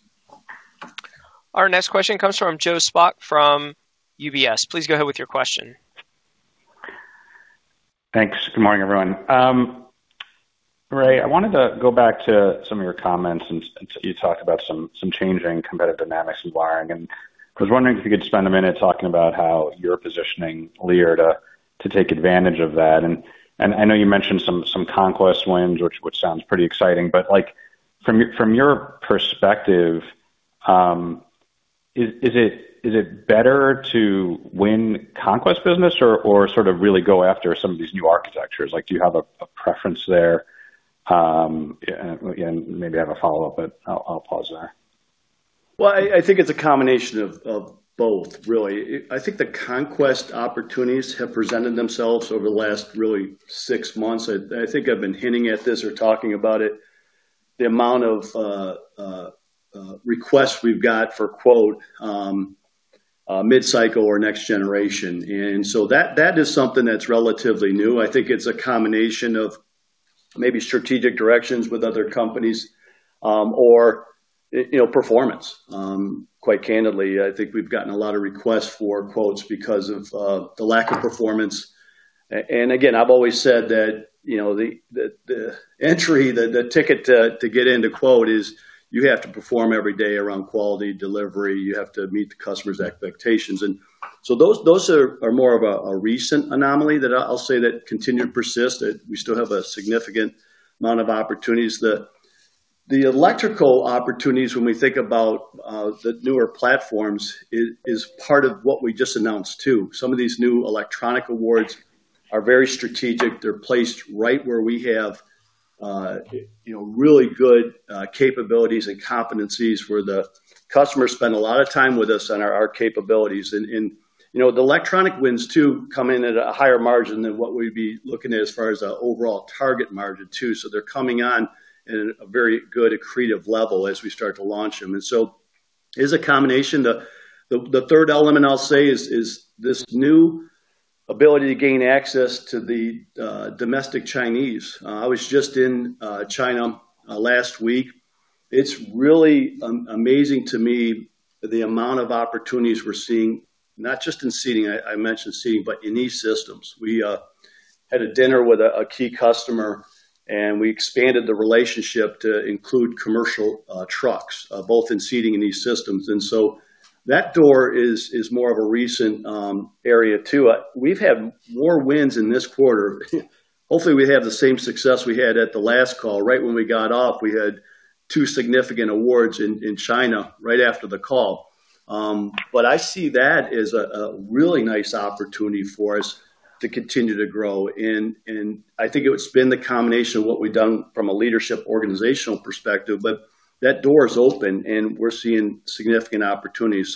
Our next question comes from Joseph Spak from UBS. Please go ahead with your question. Thanks. Good morning, everyone. Ray, I wanted to go back to some of your comments and you talked about some changing competitive dynamics in wiring. I was wondering if you could spend a minute talking about how you're positioning Lear to take advantage of that. I know you mentioned some conquest wins, which sounds pretty exciting. like, from your perspective, is it better to win conquest business or sort of really go after some of these new architectures? Do you have a preference there? maybe I have a follow-up, but I'll pause there. I think it's a combination of both, really. I think the conquest opportunities have presented themselves over the last really six months. I think I've been hinting at this or talking about it. The amount of requests we've got for quote, mid-cycle or next generation. That is something that's relatively new. I think it's a combination of maybe strategic directions with other companies, or you know, performance. Quite candidly, I think we've gotten a lot of requests for quotes because of the lack of performance. Again, I've always said that, you know, the entry, the ticket to get in to quote is you have to perform every day around quality, delivery, you have to meet the customer's expectations. Those are more of a recent anomaly that I'll say that continue to persist. We still have a significant amount of opportunities. The electrical opportunities when we think about the newer platforms is part of what we just announced too. Some of these new electronic awards are very strategic. They're placed right where we have, you know, really good capabilities and competencies where the customers spend a lot of time with us on our capabilities. You know, the electronic wins too come in at a higher margin than what we'd be looking at as far as our overall target margin too. They're coming on in a very good accretive level as we start to launch them. It is a combination. The third element I'll say is this new ability to gain access to the domestic Chinese. I was just in China last week. It's really amazing to me the amount of opportunities we're seeing, not just in seating, I mentioned seating, but in these systems. We had a dinner with a key customer, and we expanded the relationship to include commercial trucks, both in seating and these systems. That door is more of a recent area too. We've had more wins in this quarter. Hopefully, we have the same success we had at the last call. Right when we got off, we had two significant awards in China right after the call. I see that as a really nice opportunity for us to continue to grow. I think it would spin the combination of what we've done from a leadership organizational perspective, that door is open and we're seeing significant opportunities.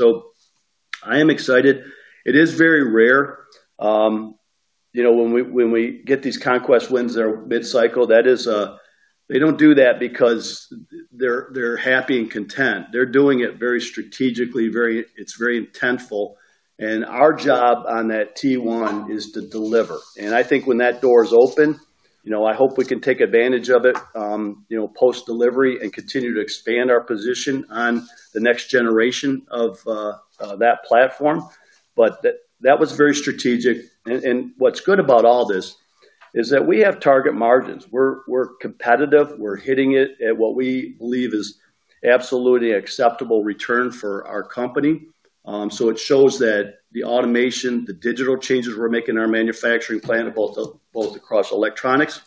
I am excited. It is very rare, you know, when we get these conquest wins that are mid-cycle. They don't do that because they're happy and content. They're doing it very strategically, it's very intentful. Our job on that Tier 1 is to deliver. I think when that door is open, you know, I hope we can take advantage of it, you know, post-delivery and continue to expand our position on the next generation of that platform. That was very strategic. What's good about all this is that we have target margins. We're competitive. We're hitting it at what we believe is absolutely acceptable return for our company. It shows that the automation, the digital changes we're making in our manufacturing plant, both across electronics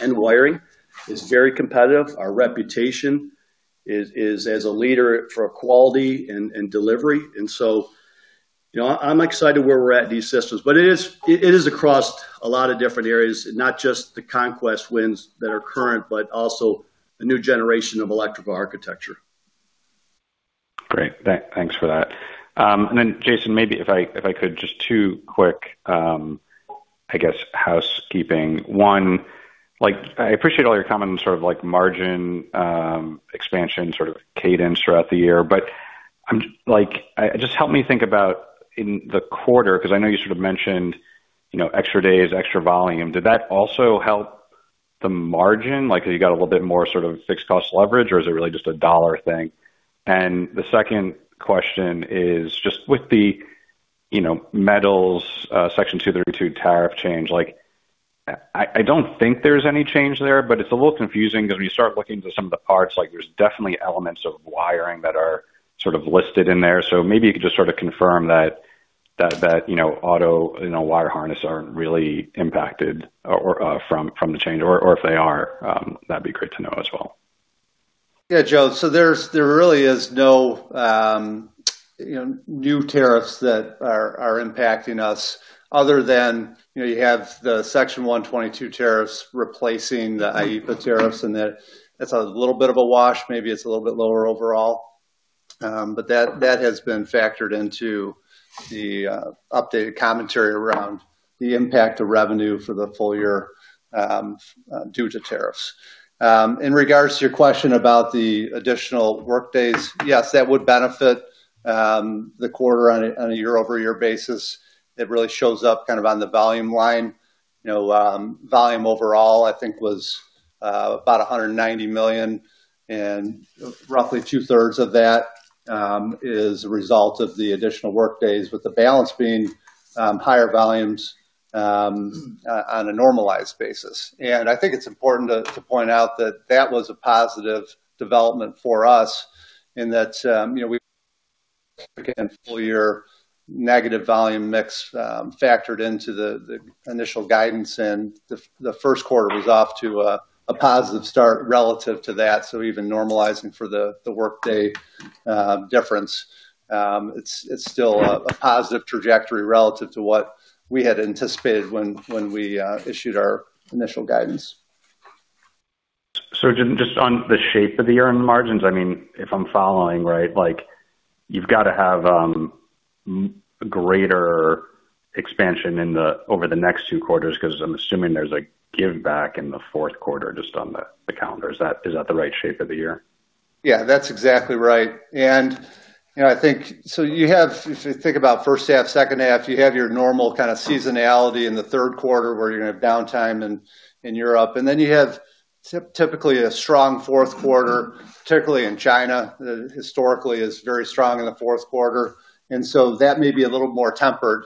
and wiring, is very competitive. Our reputation is as a leader for quality and delivery. You know, I'm excited where we're at in these systems. It is across a lot of different areas, not just the conquest wins that are current, but also a new generation of electrical architecture. Great. Thanks for that. Then Jason, maybe if I, if I could, just two quick, I guess, housekeeping. One, like, I appreciate all your comments on sort of like margin expansion sort of cadence throughout the year, but I'm, like, just help me think about in the quarter, 'cause I know you sort of mentioned, you know, extra days, extra volume. Did that also help the margin? Like, have you got a little bit more sort of fixed cost leverage, or is it really just a dollar thing? The second question is just with the, you know, metals, Section 232 tariff change, like, I don't think there's any change there, but it's a little confusing 'cause when you start looking through some of the parts, like there's definitely elements of wiring that are sort of listed in there. Maybe you could just sort of confirm that, you know, auto, you know, wire harness aren't really impacted or from the change. Or if they are, that'd be great to know as well. Yeah, Joe. There really is no, you know, new tariffs that are impacting us other than, you know, you have the Section 122 tariffs replacing the IEEPA tariffs, that it's a little bit of a wash, maybe it's a little bit lower overall. That has been factored into the updated commentary around the impact of revenue for the full year due to tariffs. In regards to your question about the additional workdays, yes, that would benefit the quarter on a year-over-year basis. It really shows up kind of on the volume line. You know, volume overall, I think, was about $190 million, roughly two-thirds of that is a result of the additional workdays, with the balance being higher volumes on a normalized basis. I think it's important to point out that that was a positive development for us in that, you know, we again, full year negative volume mix, factored into the initial guidance and the Q1 was off to a positive start relative to that. Even normalizing for the workday difference, it's still a positive trajectory relative to what we had anticipated when we issued our initial guidance. Just on the shape of the year-end margins, I mean, if I'm following, right, like you've got to have greater expansion over the next two quarters because I'm assuming there's a give back in the 4th quarter just on the calendar. Is that, is that the right shape of the year? Yeah, that's exactly right. You know, I think. You have, if you think about H1, H2, you have your normal kind of seasonality in the Q3 where you're gonna have downtime in Europe. Then you have typically a strong Q4, particularly in China, historically is very strong in the Q4. That may be a little more tempered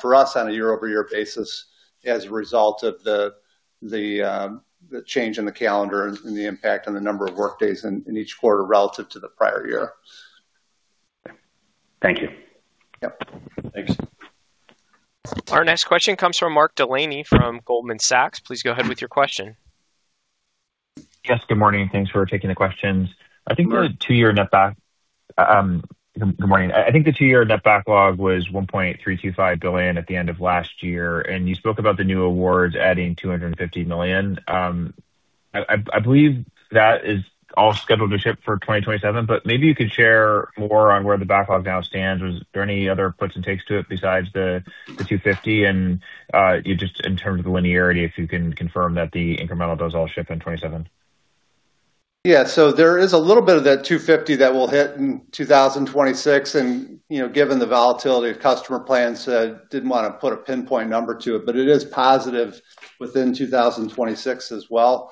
for us on a year-over-year basis as a result of the change in the calendar and the impact on the number of workdays in each quarter relative to the prior year. Thank you. Yep. Thanks. Our next question comes from Mark Delaney from Goldman Sachs. Please go ahead with your question. Yes, good morning. Thanks for taking the questions. I think the two-year net backlog was $1.325 billion at the end of last year, You spoke about the new awards adding $250 million. I believe that is all scheduled to ship for 2027, Maybe you could share more on where the backlog now stands. Was there any other puts and takes to it besides the $250 and just in terms of the linearity, if you can confirm that the incremental does all ship in 2027. There is a little bit of that $250 that will hit in 2026. You know, given the volatility of customer plans, didn't wanna put a pinpoint number to it, but it is positive within 2026 as well.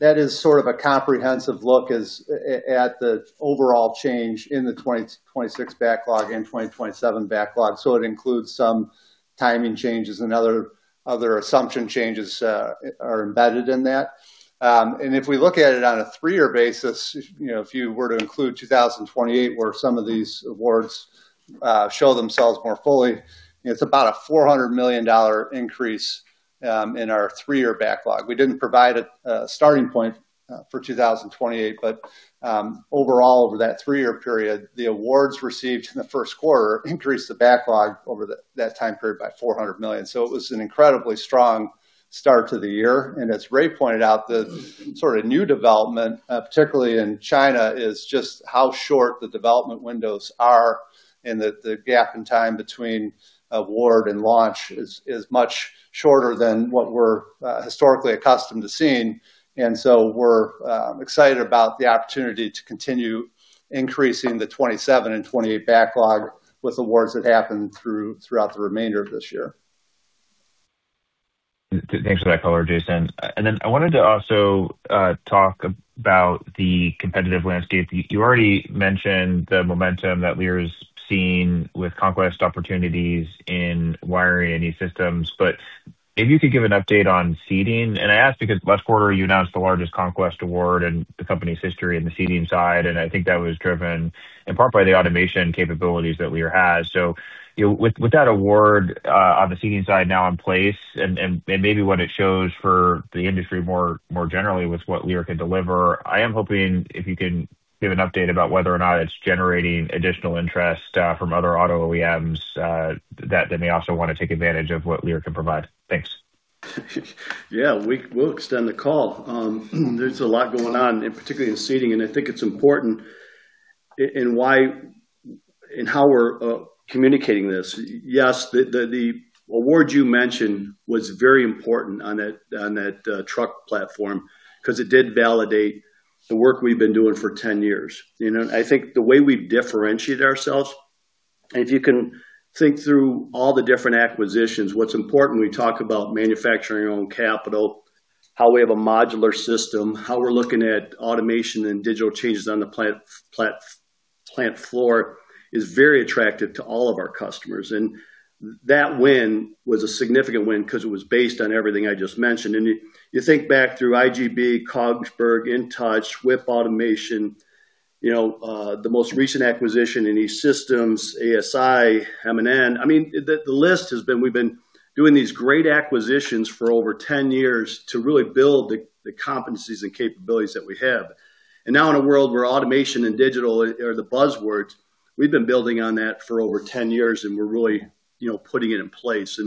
That is sort of a comprehensive look at the overall change in the 2026 backlog and 2027 backlog. It includes some timing changes and other assumption changes are embedded in that. If we look at it on a three-year basis, you know, if you were to include 2028, where some of these awards show themselves more fully, it's about a $400 million increase in our three-year backlog. We didn't provide a starting point for 2028, but overall, over that three-year period, the awards received in the Q1 increased the backlog over that time period by $400 million. It was an incredibly strong start to the year. As Ray pointed out, the sort of new development, particularly in China, is just how short the development windows are and that the gap in time between award and launch is much shorter than what we're historically accustomed to seeing. We're excited about the opportunity to continue increasing the 2027 and 2028 backlog with awards that happen throughout the remainder of this year. Thanks for that color, Jason. Then I wanted to also talk about the competitive landscape. You, you already mentioned the momentum that Lear has seen with conquest opportunities in wiring and E-Systems, but if you could give an update on seating. I ask because last quarter you announced the largest conquest award in the company's history in the seating side, and I think that was driven in part by the automation capabilities that Lear has. You know, with that award on the seating side now in place and maybe what it shows for the industry more generally with what Lear can deliver, I am hoping if you can give an update about whether or not it's generating additional interest from other auto OEMs that they may also wanna take advantage of what Lear can provide. Thanks. Yeah, we'll extend the call. There's a lot going on, and particularly in seating, and I think it's important in why and how we're communicating this. Yes, the, the award you mentioned was very important on that, on that truck platform because it did validate the work we've been doing for 10 years. You know, I think the way we differentiate ourselves, if you can think through all the different acquisitions, what's important when we talk about manufacturing our own capital, how we have a modular system, how we're looking at automation and digital changes on the plant floor is very attractive to all of our customers. That win was a significant win because it was based on everything I just mentioned. You, you think back through IGB, Kongsberg, InTouch, WIP Industrial Automation You know, the most recent acquisition in E-Systems, ASI, M&N. I mean, the list has been we've been doing these great acquisitions for over 10 years to really build the competencies and capabilities that we have. Now in a world where automation and digital are the buzzwords, we've been building on that for over 10 years, and we're really, you know, putting it in place.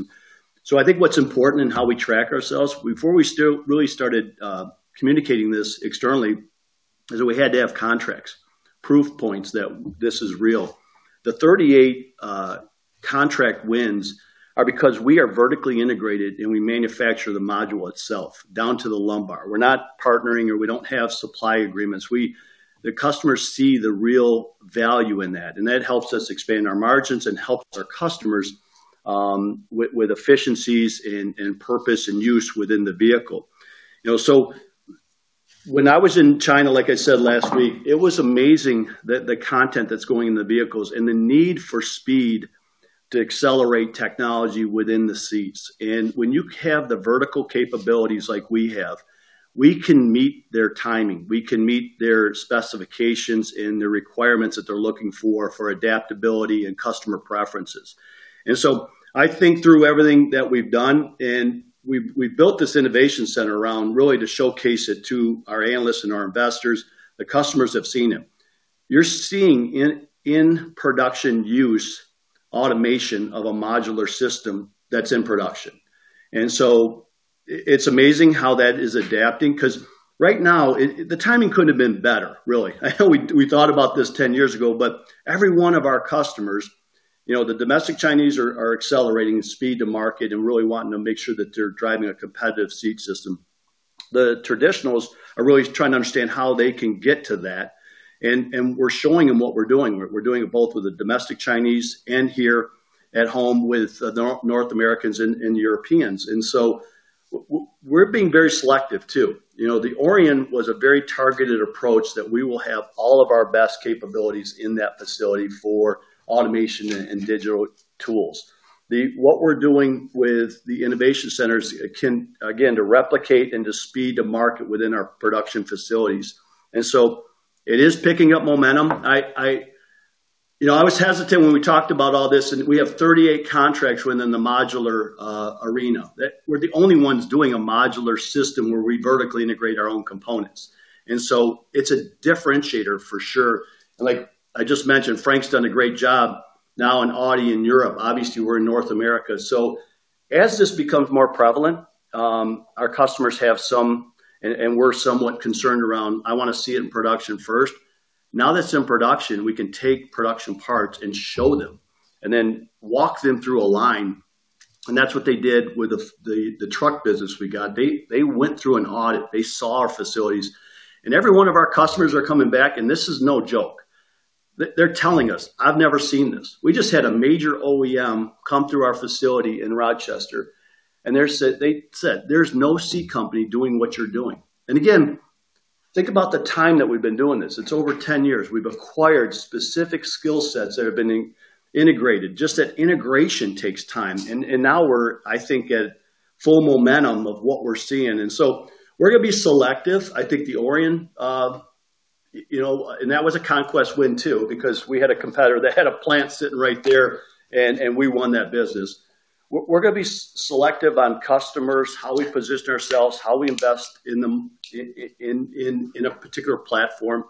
So I think what's important in how we track ourselves, before we really started communicating this externally, is we had to have contracts, proof points that this is real. The 38 contract wins are because we are vertically integrated, and we manufacture the module itself down to the lumbar. We're not partnering, or we don't have supply agreements. The customers see the real value in that, and that helps us expand our margins and helps our customers with efficiencies and purpose and use within the vehicle. You know, when I was in China, like I said last week, it was amazing the content that's going in the vehicles and the need for speed to accelerate technology within the seats. When you have the vertical capabilities like we have, we can meet their timing, we can meet their specifications and the requirements that they're looking for adaptability and customer preferences. I think through everything that we've done, we've built this innovation center around really to showcase it to our analysts and our investors. The customers have seen it. You're seeing in production use automation of a modular system that's in production. It's amazing how that is adapting because right now the timing couldn't have been better really. I know we thought about this 10 years ago, but every one of our customers, you know, the domestic Chinese are accelerating speed to market and really wanting to make sure that they're driving a competitive seat system. The traditionals are really trying to understand how they can get to that, and we're showing them what we're doing. We're doing it both with the domestic Chinese and here at home with the North Americans and Europeans. We're being very selective too. You know, the Orion was a very targeted approach that we will have all of our best capabilities in that facility for automation and digital tools. What we're doing with the innovation centers can, again, to replicate and to speed to market within our production facilities. It is picking up momentum. You know, I was hesitant when we talked about all this, and we have 38 contracts within the modular arena. We're the only ones doing a modular system where we vertically integrate our own components. It's a differentiator for sure. Like I just mentioned, Frank's done a great job now in Audi in Europe. Obviously, we're in North America. As this becomes more prevalent, our customers are somewhat concerned around, "I wanna see it in production first." Now that it's in production, we can take production parts and show them and then walk them through a line, and that's what they did with the truck business we got. They went through an audit. They saw our facilities. Every one of our customers are coming back, and this is no joke. They're telling us, "I've never seen this." We just had a major OEM come through our facility in Rochester, and they said, "There's no seat company doing what you're doing." Again, think about the time that we've been doing this. It's over 10 years. We've acquired specific skill sets that have been integrated. Just that integration takes time. Now we're at full momentum of what we're seeing. We're gonna be selective. The Orion, you know, that was a Conquest win too because we had a competitor that had a plant sitting right there, we won that business. We're gonna be selective on customers, how we position ourselves, how we invest in a particular platform,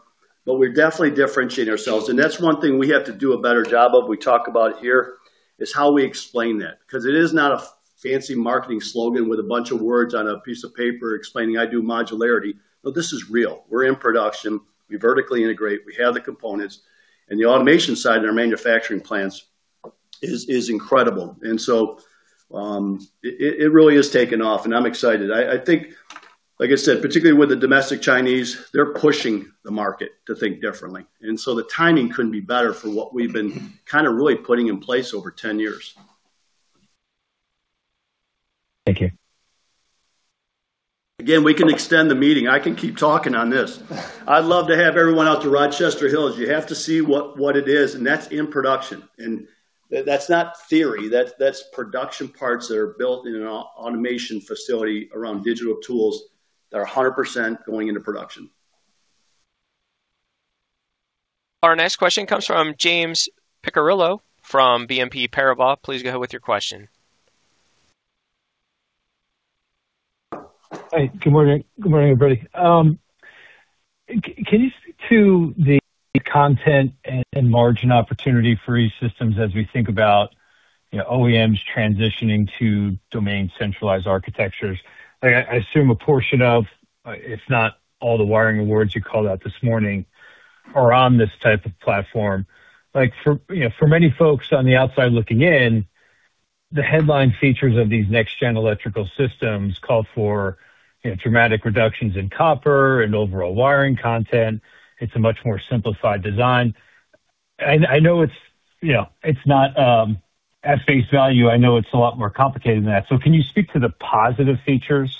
but we definitely differentiate ourselves. That's one thing we have to do a better job of, we talk about here, is how we explain that. Because it is not a fancy marketing slogan with a bunch of words on a piece of paper explaining, "I do modularity." This is real. We're in production. We vertically integrate. We have the components. The automation side in our manufacturing plants is incredible. It really has taken off, and I'm excited. I think, like I said, particularly with the domestic Chinese, they're pushing the market to think differently. The timing couldn't be better for what we've been kind of really putting in place over 10 years. Thank you. We can extend the meeting. I can keep talking on this. I'd love to have everyone out to Rochester Hills. You have to see what it is, and that's in production. That's not theory. That's production parts that are built in an automation facility around digital tools that are 100% going into production. Our next question comes from James Picariello from BNP Paribas. Please go ahead with your question. Hi. Good morning. Good morning, everybody. Can you speak to the content and margin opportunity for E-Systems as we think about, you know, OEMs transitioning to domain centralized architectures? I assume a portion of, if not all the wiring awards you called out this morning are on this type of platform. Like, for, you know, for many folks on the outside looking in, the headline features of these next-gen electrical systems called for, you know, dramatic reductions in copper and overall wiring content. It's a much more simplified design. I know it's, you know, it's not, at face value, I know it's a lot more complicated than that. Can you speak to the positive features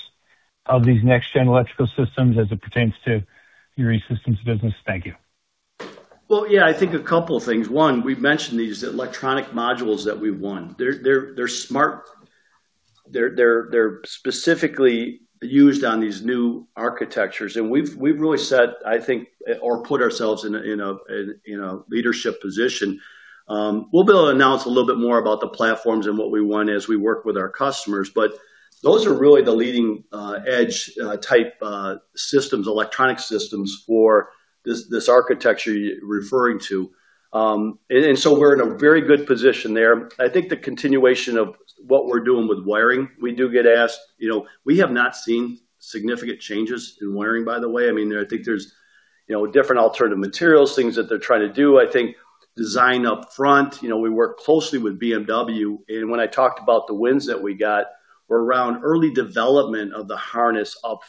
of these next-gen electrical systems as it pertains to your E-Systems business? Thank you. Well, yeah, I think a couple things. One, we've mentioned these electronic modules that we won. They're smart. They're specifically used on these new architectures. We've really said, I think, or put ourselves in a leadership position. We'll be able to announce a little bit more about the platforms and what we want as we work with our customers. Those are really the leading-edge type systems, electronic systems for this architecture you're referring to. We're in a very good position there. I think the continuation of what we're doing with wiring, we do get asked. You know, we have not seen significant changes in wiring, by the way. I mean, I think there's, you know, different alternative materials, things that they're trying to do. I think design up front, you know, we work closely with BMW, and when I talked about the wins that we got were around early development of the harness up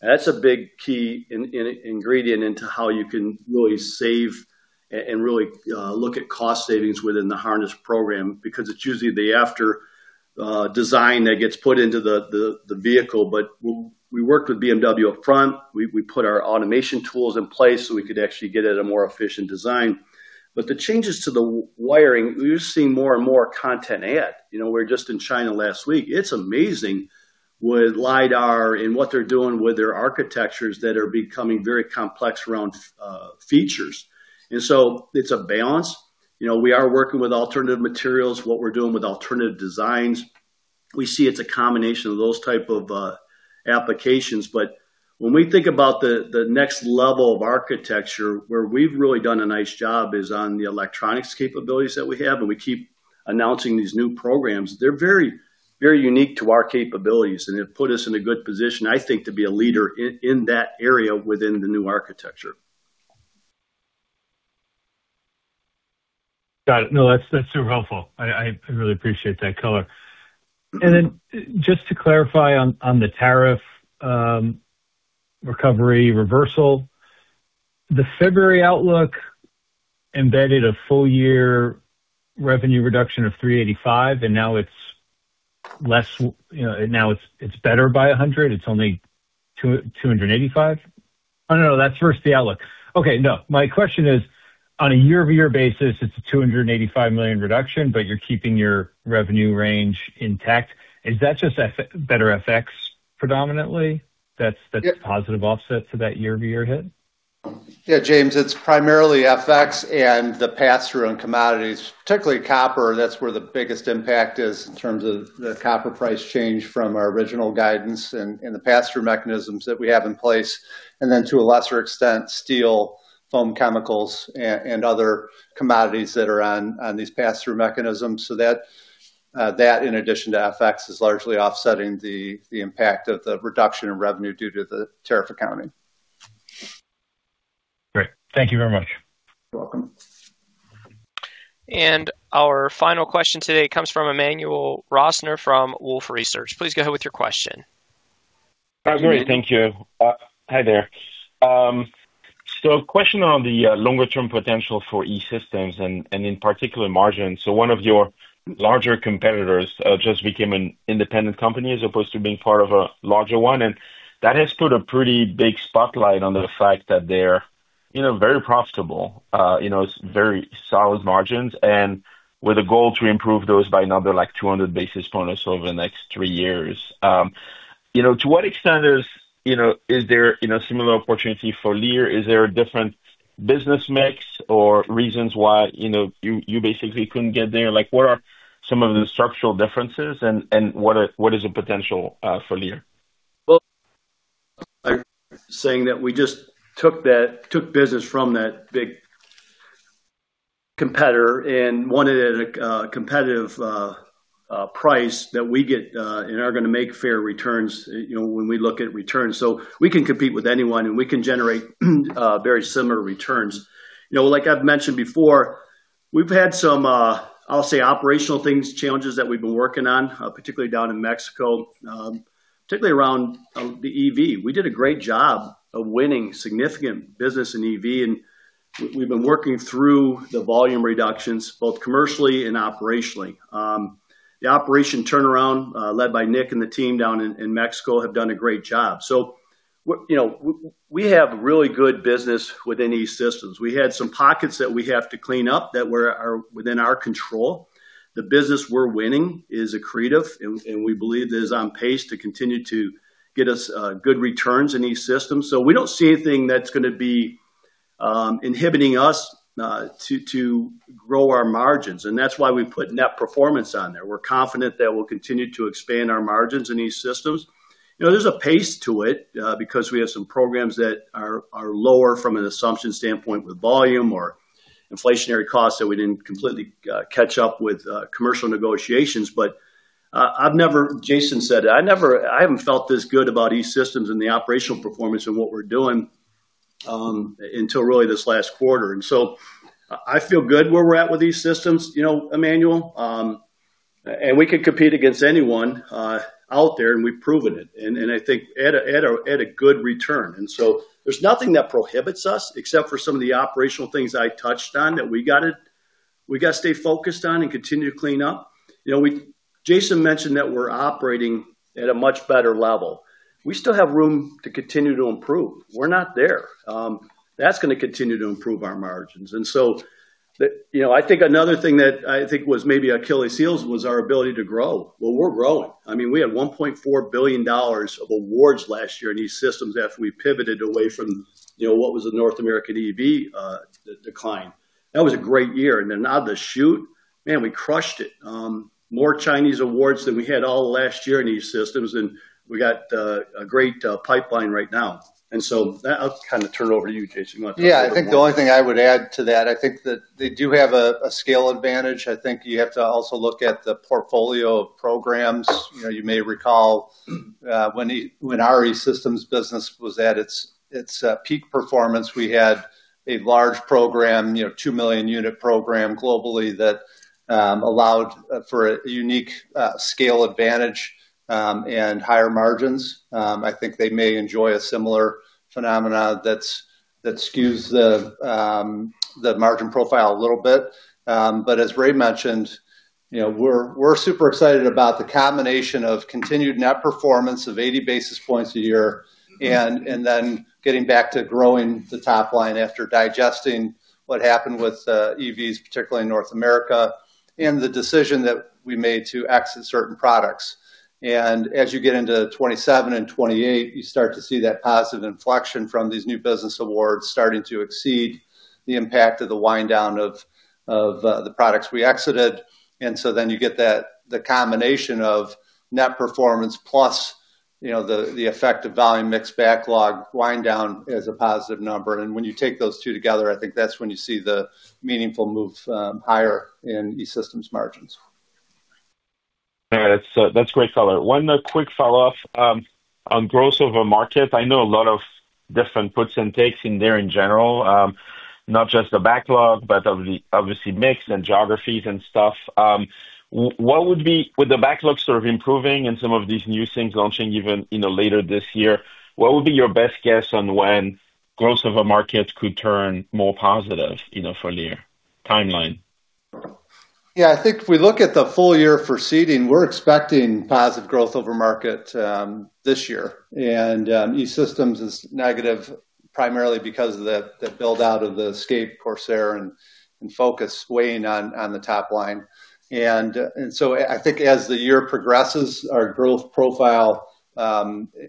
front. That's a big key in ingredient into how you can really save and really look at cost savings within the harness program, because it's usually the after design that gets put into the vehicle. We worked with BMW up front. We put our automation tools in place, so we could actually get at a more efficient design. The changes to the wiring, you're seeing more and more content add. You know, we were just in China last week. It's amazing with LIDAR and what they're doing with their architectures that are becoming very complex around features. It's a balance. You know, we are working with alternative materials, what we're doing with alternative designs. We see it's a combination of those type of applications. When we think about the next level of architecture, where we've really done a nice job is on the electronics capabilities that we have. We keep announcing these new programs. They're very, very unique to our capabilities, and it put us in a good position, I think, to be a leader in that area within the new architecture. Got it. No, that's super helpful. I really appreciate that color. Just to clarify on the tariff recovery reversal, the February outlook embedded a full year revenue reduction of $385, and now it's, you know, it's better by $100. It's only $285. Oh, no, that's versus the outlook. Okay, no. My question is, on a year-over-year basis, it's a $285 million reduction, but you're keeping your revenue range intact. Is that just better FX predominantly? Yeah. The positive offset for that year-over-year hit? Yeah, James, it's primarily FX and the pass-through on commodities, particularly copper. That's where the biggest impact is in terms of the copper price change from our original guidance and the pass-through mechanisms that we have in place. Then to a lesser extent, steel, foam chemicals, and other commodities that are on these pass-through mechanisms. That, in addition to FX, is largely offsetting the impact of the reduction in revenue due to the tariff accounting. Great. Thank you very much. You're welcome. Our final question today comes from Emmanuel Rosner from Wolfe Research. Please go ahead with your question. Great. Thank you. Hi there. Question on the longer term potential for E-Systems and in particular margin. One of your larger competitors just became an independent company as opposed to being part of a larger one, and that has put a pretty big spotlight on the fact that they're, you know, very profitable. You know, very solid margins and with a goal to improve those by another like 200 basis points over the next three years. You know, to what extent is, you know, is there, you know, similar opportunity for Lear? Is there a different business mix or reasons why, you know, you basically couldn't get there? Like, what are some of the structural differences and what is the potential for Lear? Well, I'm saying that we just took business from that big competitor and wanted at a competitive price that we get and are gonna make fair returns, you know, when we look at returns. We can compete with anyone, and we can generate very similar returns. You know, like I've mentioned before, we've had some, I'll say, operational things, challenges that we've been working on particularly down in Mexico, particularly around the EV. We did a great job of winning significant business in EV, and we've been working through the volume reductions, both commercially and operationally. The operation turnaround led by Nick and the team down in Mexico have done a great job. You know, we have really good business within E-Systems. We had some pockets that we have to clean up that are within our control. The business we're winning is accretive, and we believe it is on pace to continue to get us good returns in E-Systems. We don't see anything that's gonna be inhibiting us to grow our margins, and that's why we put net performance on there. We're confident that we'll continue to expand our margins in E-Systems. You know, there's a pace to it because we have some programs that are lower from an assumption standpoint with volume or inflationary costs that we didn't completely catch up with commercial negotiations. I've never. Jason said it. I haven't felt this good about E-Systems and the operational performance and what we're doing until really this last quarter. I feel good where we're at with E-Systems, you know, Emmanuel, and we can compete against anyone out there, and we've proven it. And I think at a good return. There's nothing that prohibits us except for some of the operational things I touched on that we gotta stay focused on and continue to clean up. You know, Jason mentioned that we're operating at a much better level. We still have room to continue to improve. We're not there. That's gonna continue to improve our margins. You know, I think another thing that I think was maybe Achilles' heels was our ability to grow. Well, we're growing. I mean, we had $1.4 billion of awards last year in E-Systems after we pivoted away from, you know, what was a North American EV decline. That was a great year. Out of the chute, man, we crushed it. More Chinese awards than we had all of last year in E-Systems, and we got a great pipeline right now. That I'll kind of turn it over to you, Jason, you want to talk a little more? Yeah. I think the only thing I would add to that, I think that they do have a scale advantage. I think you have to also look at the portfolio of programs. You know, you may recall, when our E-Systems business was at its peak performance, we had a large program, you know, 2 million unit program globally that allowed for a unique scale advantage and higher margins. I think they may enjoy a similar phenomena that skews the margin profile a little bit. As Ray mentioned, you know, we're super excited about the combination of continued net performance of 80 basis points a year, getting back to growing the top line after digesting what happened with EVs, particularly in North America, and the decision that we made to exit certain products. As you get into 2027 and 2028, you start to see that positive inflection from these new business awards starting to exceed the impact of the wind down of the products we exited. You get that, the combination of net performance plus, you know, the effect of volume mix backlog wind down as a positive number. When you take those two together, I think that's when you see the meaningful move higher in E-Systems margins. All right. That's great color. One quick follow-up on growth over market. I know a lot of different puts and takes in there in general, not just the backlog, but obviously mix and geographies and stuff. What would be with the backlog sort of improving and some of these new things launching even, you know, later this year, what would be your best guess on when growth over markets could turn more positive, you know, for the year? Timeline. I think if we look at the full year for seating, we're expecting positive growth over market this year. E-Systems is negative primarily because of the build-out of the Escape Corsair and Focus weighing on the top line. I think as the year progresses, our growth profile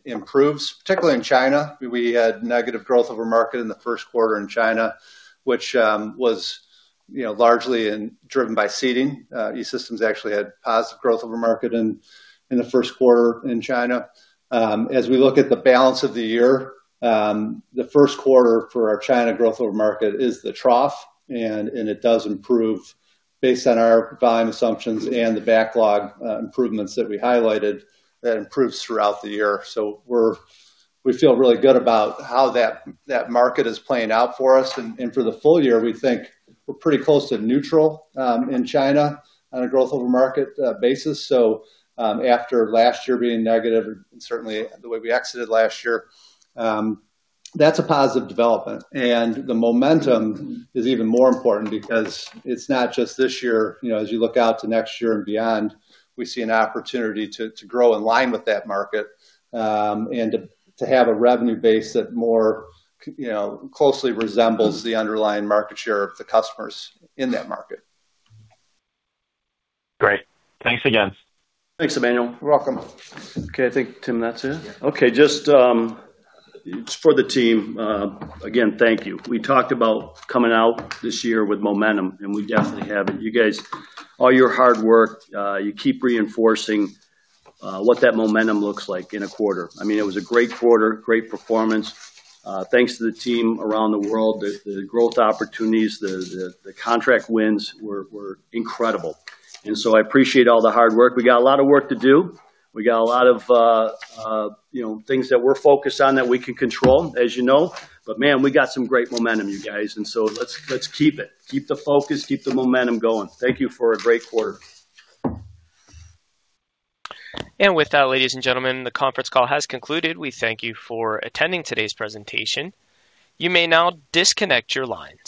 improves, particularly in China. We had negative growth over market in the Q1 in China, which was, you know, largely driven by seating. E-Systems actually had positive growth over market in the Q1 in China. As we look at the balance of the year, the Q1 for our China growth over market is the trough, and it does improve based on our volume assumptions and the backlog improvements that we highlighted, that improves throughout the year. We feel really good about how that market is playing out for us. For the full year, we think we're pretty close to neutral in China on a growth over market basis. After last year being negative and certainly the way we exited last year, that's a positive development. The momentum is even more important because it's not just this year. You know, as you look out to next year and beyond, we see an opportunity to grow in line with that market and to have a revenue base that more closely resembles the underlying market share of the customers in that market. Great. Thanks again. Thanks, Emmanuel. You're welcome. Okay. I think, Tim, that's it. Okay. Just, it's for the team. Again, thank you. We talked about coming out this year with momentum, and we definitely have it. You guys, all your hard work, you keep reinforcing what that momentum looks like in a quarter. I mean, it was a great quarter, great performance. Thanks to the team around the world. The growth opportunities, the contract wins were incredible. I appreciate all the hard work. We got a lot of work to do. We got a lot of, you know, things that we're focused on that we can control, as you know. Man, we got some great momentum, you guys. Let's keep it. Keep the focus, keep the momentum going. Thank you for a great quarter. And with that, ladies and gentlemen, the conference call has concluded. We thank you for attending today's presentation. You may now disconnect your lines.